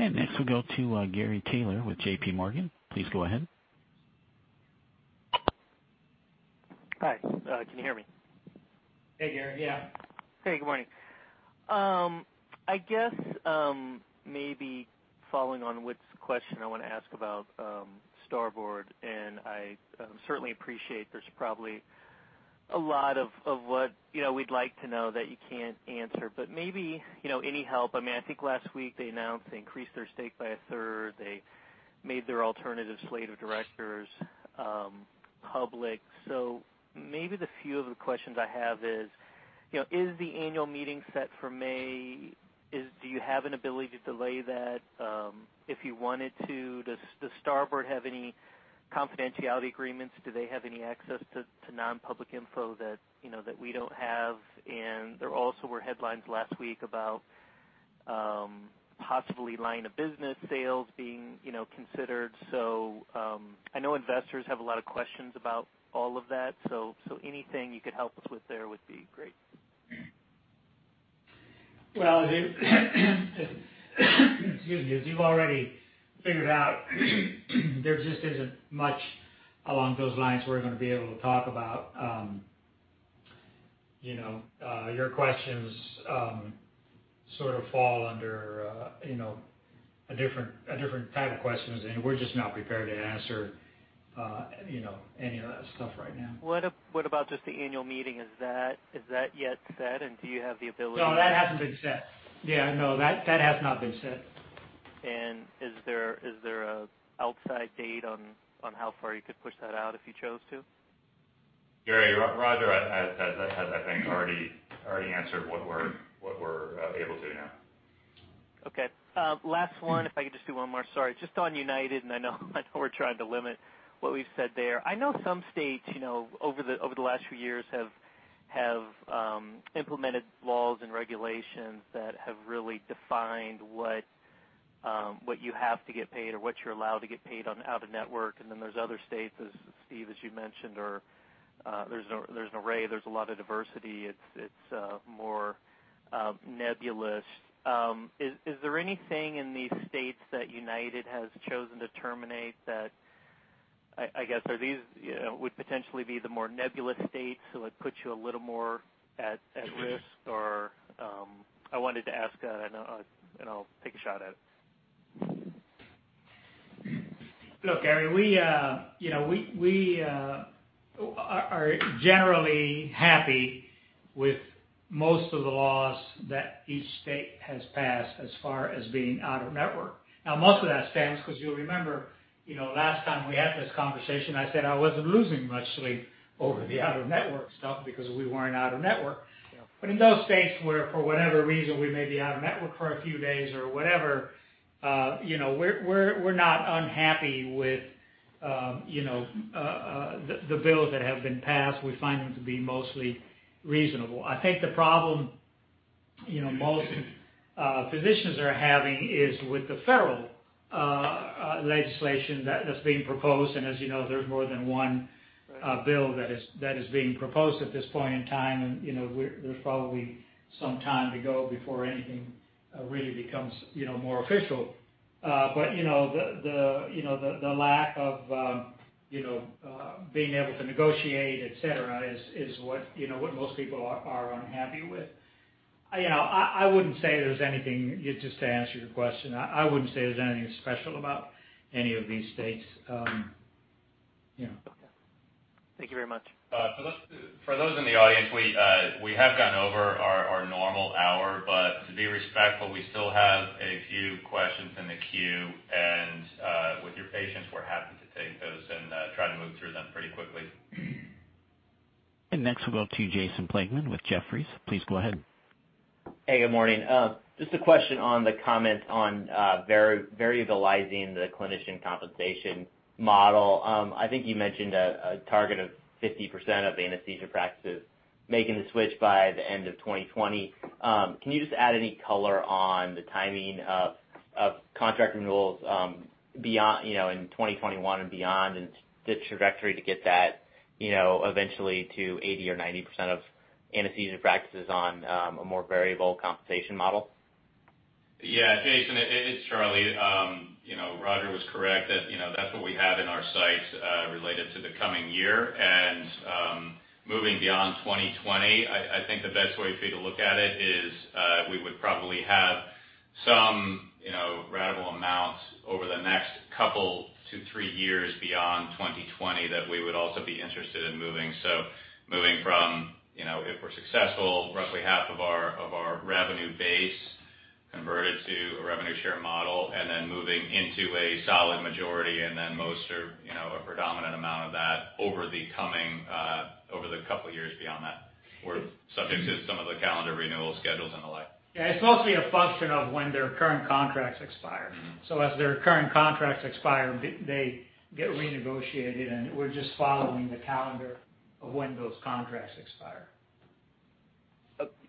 Next we'll go to Gary Taylor with JPMorgan. Please go ahead. Hi, can you hear me? Hey, Gary. Yeah. Hey, good morning. I guess, maybe following on Whit's question, I want to ask about Starboard. I certainly appreciate there's probably a lot of what we'd like to know that you can't answer, but maybe any help. I think last week they announced they increased their stake by a third. They made their alternative slate of directors public. Maybe the few other questions I have is the annual meeting set for May? Do you have an ability to delay that if you wanted to? Does Starboard have any confidentiality agreements? Do they have any access to non-public info that we don't have? There also were headlines last week about possibly line of business sales being considered. I know investors have a lot of questions about all of that, so anything you could help us with there would be great. Well, excuse me, as you've already figured out, there just isn't much along those lines we're going to be able to talk about. Your questions sort of fall under a different type of question, and we're just not prepared to answer any of that stuff right now. What about just the annual meeting? Is that yet set, and do you have the ability- No, that hasn't been set. Yeah, no, that has not been set. Is there an outside date on how far you could push that out if you chose to? Gary, Roger has, I think, already answered what we're able to now. Okay. Last one, if I could just do one more. Sorry. Just on United, and I know we're trying to limit what we've said there. I know some states over the last few years have implemented laws and regulations that have really defined what you have to get paid or what you're allowed to get paid on out-of-network. There's other states, Steve, as you mentioned, there's an array. There's a lot of diversity. It's more nebulous. Is there anything in these states that United has chosen to terminate that, I guess, would potentially be the more nebulous states, so it puts you a little more at risk? I wanted to ask that, and I'll take a shot at it. Look, Gary, we are generally happy with most of the laws that each state has passed as far as being out-of-network. Most of that stems because you'll remember, last time we had this conversation, I said I wasn't losing much sleep over the out-of-network stuff because we weren't out-of-network. Yeah. In those states where, for whatever reason, we may be out-of-network for a few days or whatever, we're not unhappy with the bills that have been passed. We find them to be mostly reasonable. I think the problem most physicians are having is with the federal legislation that's being proposed. As you know, there's more than one bill that is being proposed at this point in time, and there's probably some time to go before anything really becomes more official. The lack of being able to negotiate, et cetera, is what most people are unhappy with. Just to answer your question, I wouldn't say there's anything special about any of these states. Yeah. Okay. Thank you very much. For those in the audience, we have gone over our normal hour, but to be respectful, we still have a few questions in the queue, and with your patience, we're happy to take those and try to move through them pretty quickly. Next we'll go to Jason Plagman with Jefferies. Please go ahead. Hey, good morning. Just a question on the comment on variabilizing the clinician compensation model. I think you mentioned a target of 50% of anesthesia practices making the switch by the end of 2020. Can you just add any color on the timing of contract renewals in 2021 and beyond, and the trajectory to get that eventually to 80% or 90% of anesthesia practices on a more variable compensation model? Yeah. Jason, it is Charlie. Roger was correct. That's what we have in our sights related to the coming year. Moving beyond 2020, I think the best way for you to look at it is, we would probably have some radical amount over the next couple to three years beyond 2020 that we would also be interested in moving. Moving from, if we're successful, roughly half of our revenue base converted to a revenue share model, and then moving into a solid majority, and then most or a predominant amount of that over the couple of years beyond that. We're subject to some of the calendar renewal schedules and the like. Yeah. It's mostly a function of when their current contracts expire. As their current contracts expire, they get renegotiated, and we're just following the calendar of when those contracts expire.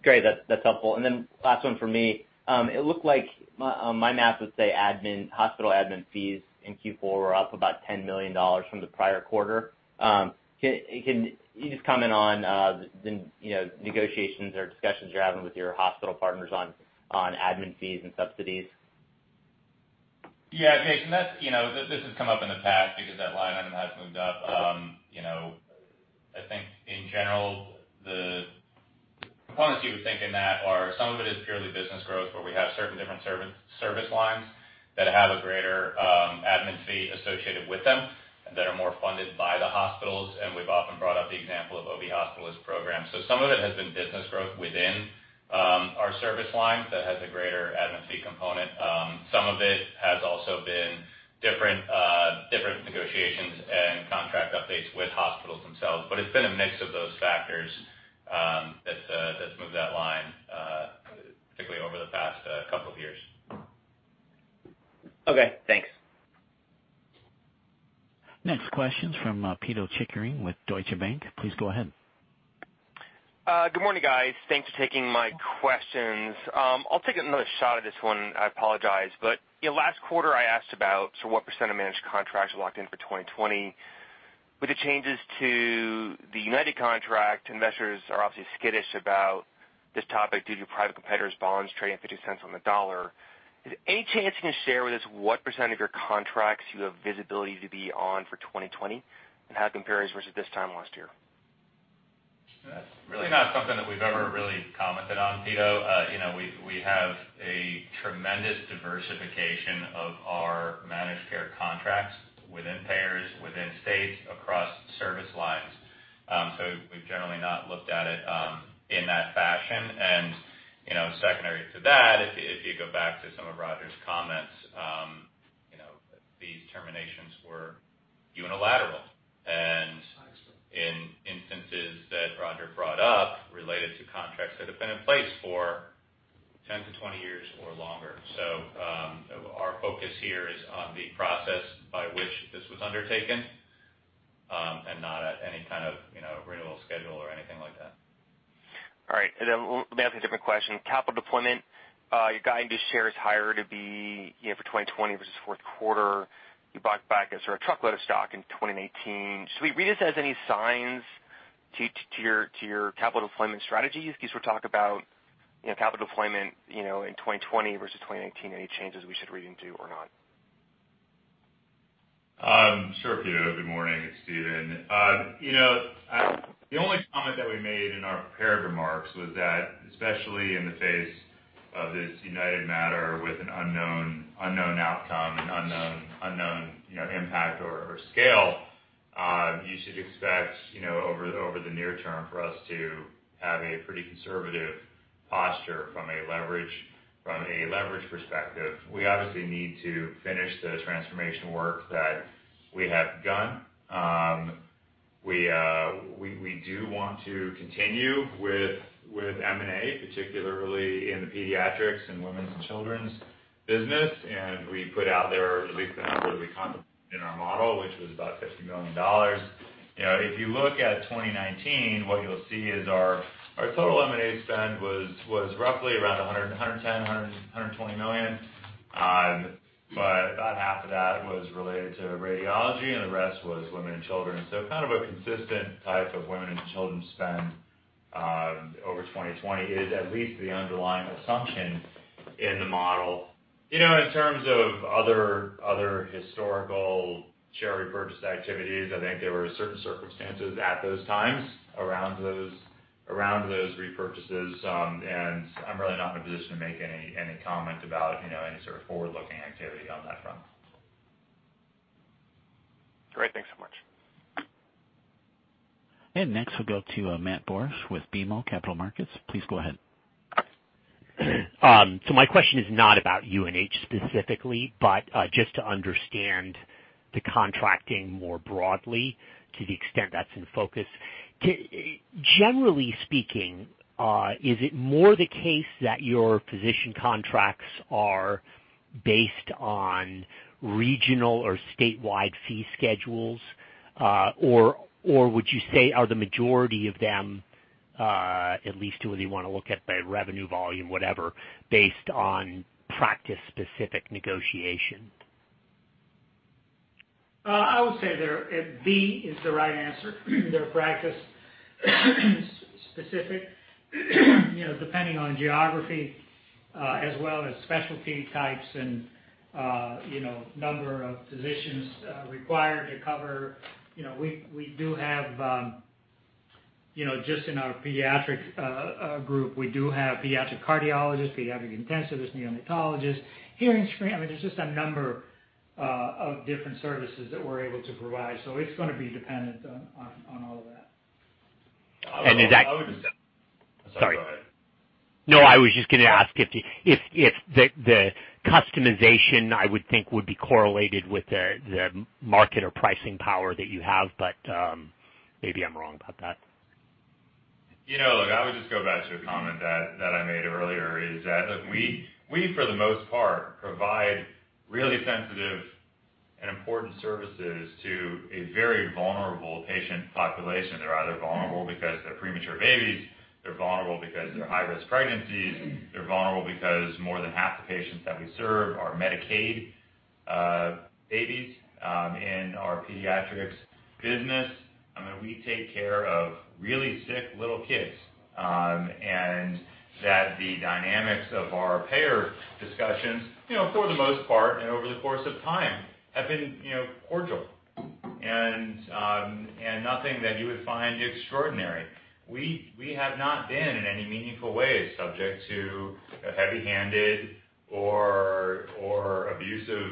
Great. That's helpful. Last one from me. It looked like my math would say hospital admin fees in Q4 were up about $10 million from the prior quarter. Can you just comment on the negotiations or discussions you're having with your hospital partners on admin fees and subsidies? Yeah. Jason, this has come up in the past because that line item has moved up. I think in general, the components you would think in that are some of it is purely business growth, where we have certain different service lines that have a greater admin fee associated with them that are more funded by the hospitals, and we've often brought up the example of OB hospitalist programs. Some of it has been business growth within our service lines that has a greater admin fee component. Some of it has also been different negotiations and contract updates with hospitals themselves. It's been a mix of those factors that's moved that line, particularly over the past couple of years. Okay, thanks. Next question's from Pito Chickering with Deutsche Bank. Please go ahead. Good morning, guys. Thanks for taking my questions. I'll take another shot at this one. I apologize. Last quarter, I asked about what percent of managed contracts are locked in for 2020. With the changes to the United contract, investors are obviously skittish about this topic due to private competitors' bonds trading $0.50 on the dollar. Is there any chance you can share with us what percent of your contracts you have visibility to be on for 2020, and how it compares versus this time last year? That's really not something that we've ever really commented on, Pito. We have a tremendous diversification of our managed care contracts within payers, within states, across service lines. We've generally not looked at it in that fashion. Secondary to that, if you go back to some of Roger's comments, these terminations were unilateral, and in instances that Roger brought up related to contracts that have been in place for 10 years-20 years or longer. Our focus here is on the process by which this was undertaken, and not at any kind of renewal schedule or anything like that. All right. Let me ask a different question. Capital deployment. Your guidance share is higher to be for 2020 versus fourth quarter. You bought back a truckload of stock in 2019. Should we read this as any signs to your capital deployment strategy? If you sort of talk about capital deployment in 2020 versus 2019, any changes we should read into or not? Sure, Pito. Good morning. It's Stephen. The only comment that we made in our prepared remarks was that, especially in the face of this United matter with an unknown outcome and unknown impact or scale, you should expect over the near term for us to have a pretty conservative posture from a leverage perspective. We obviously need to finish the transformation work that we have begun. We do want to continue with M&A, particularly in the Pediatrix and women's and children's business, and we put out there at least the number that we contemplated in our model, which was about $50 million. If you look at 2019, what you'll see is our total M&A spend was roughly around $110 million-$120 million. About half of that was related to radiology, and the rest was women and children. Kind of a consistent type of women and children spend over 2020 is at least the underlying assumption in the model. In terms of other historical share repurchase activities, I think there were certain circumstances at those times around those repurchases. I'm really not in a position to make any comment about any sort of forward-looking activity on that front. Great. Thanks so much. Next, we'll go to Matt Borsch with BMO Capital Markets. Please go ahead. My question is not about UNH specifically, but just to understand the contracting more broadly, to the extent that's in focus. Generally speaking, is it more the case that your physician contracts are based on regional or statewide fee schedules? Or would you say, are the majority of them, at least to whether you want to look at by revenue, volume, whatever, based on practice-specific negotiation? I would say B is the right answer. They're practice specific. Depending on geography as well as specialty types and number of physicians required to cover. Just in our pediatric group, we do have pediatric cardiologists, pediatric intensivists, neonatologists, hearing screen. I mean, there's just a number of different services that we're able to provide. It's going to be dependent on all of that. And is that- I would just- Sorry. Go ahead. No, I was just going to ask if the customization, I would think, would be correlated with the market or pricing power that you have, but maybe I'm wrong about that. Look, I would just go back to a comment that I made earlier, is that we, for the most part, provide really sensitive and important services to a very vulnerable patient population. They're either vulnerable because they're premature babies, they're vulnerable because they're high-risk pregnancies, they're vulnerable because more than half the patients that we serve are Medicaid babies in our Pediatrix business. I mean, we take care of really sick little kids. The dynamics of our payer discussions, for the most part and over the course of time, have been cordial and nothing that you would find extraordinary. We have not been, in any meaningful way, subject to heavy-handed or abusive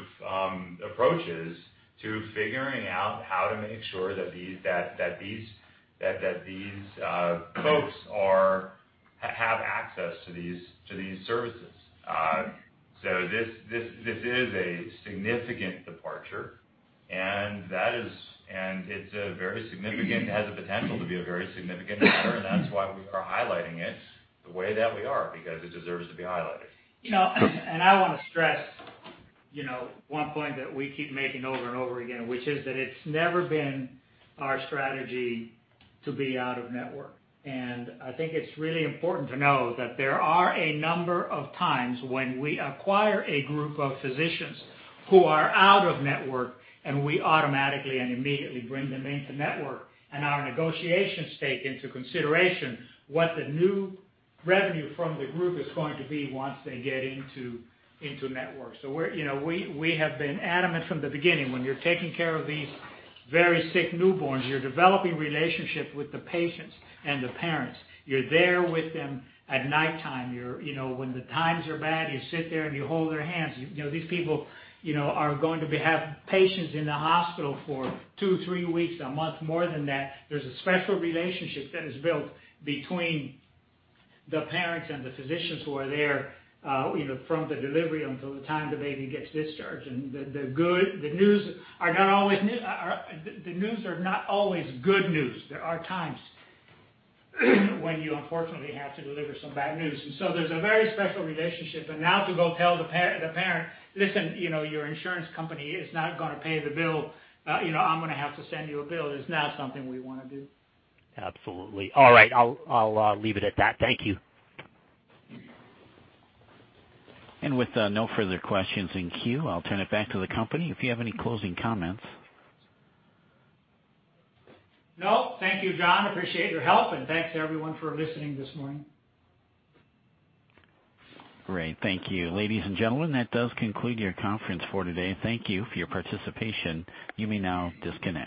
approaches to figuring out how to make sure that these folks have access to these services. This is a significant departure, and it has the potential to be a very significant matter, and that's why we are highlighting it the way that we are, because it deserves to be highlighted. I want to stress one point that we keep making over and over again, which is that it's never been our strategy to be out-of-network. I think it's really important to know that there are a number of times when we acquire a group of physicians who are out-of-network, and we automatically and immediately bring them into network, and our negotiations take into consideration what the new revenue from the group is going to be once they get into network. We have been adamant from the beginning, when you're taking care of these very sick newborns, you're developing relationships with the patients and the parents. You're there with them at nighttime. When the times are bad, you sit there and you hold their hands. These people are going to have patients in the hospital for two, three weeks, a month, more than that. There's a special relationship that is built between the parents and the physicians who are there from the delivery until the time the baby gets discharged. The news are not always good news. There are times when you unfortunately have to deliver some bad news. There's a very special relationship. Now to go tell the parent, "Listen, your insurance company is not going to pay the bill. I'm going to have to send you a bill," is not something we want to do. Absolutely. All right, I'll leave it at that. Thank you. With no further questions in queue, I'll turn it back to the company if you have any closing comments. No. Thank you, John. Appreciate your help, and thanks everyone for listening this morning. Great. Thank you. Ladies and gentlemen, that does conclude your conference for today. Thank you for your participation. You may now disconnect.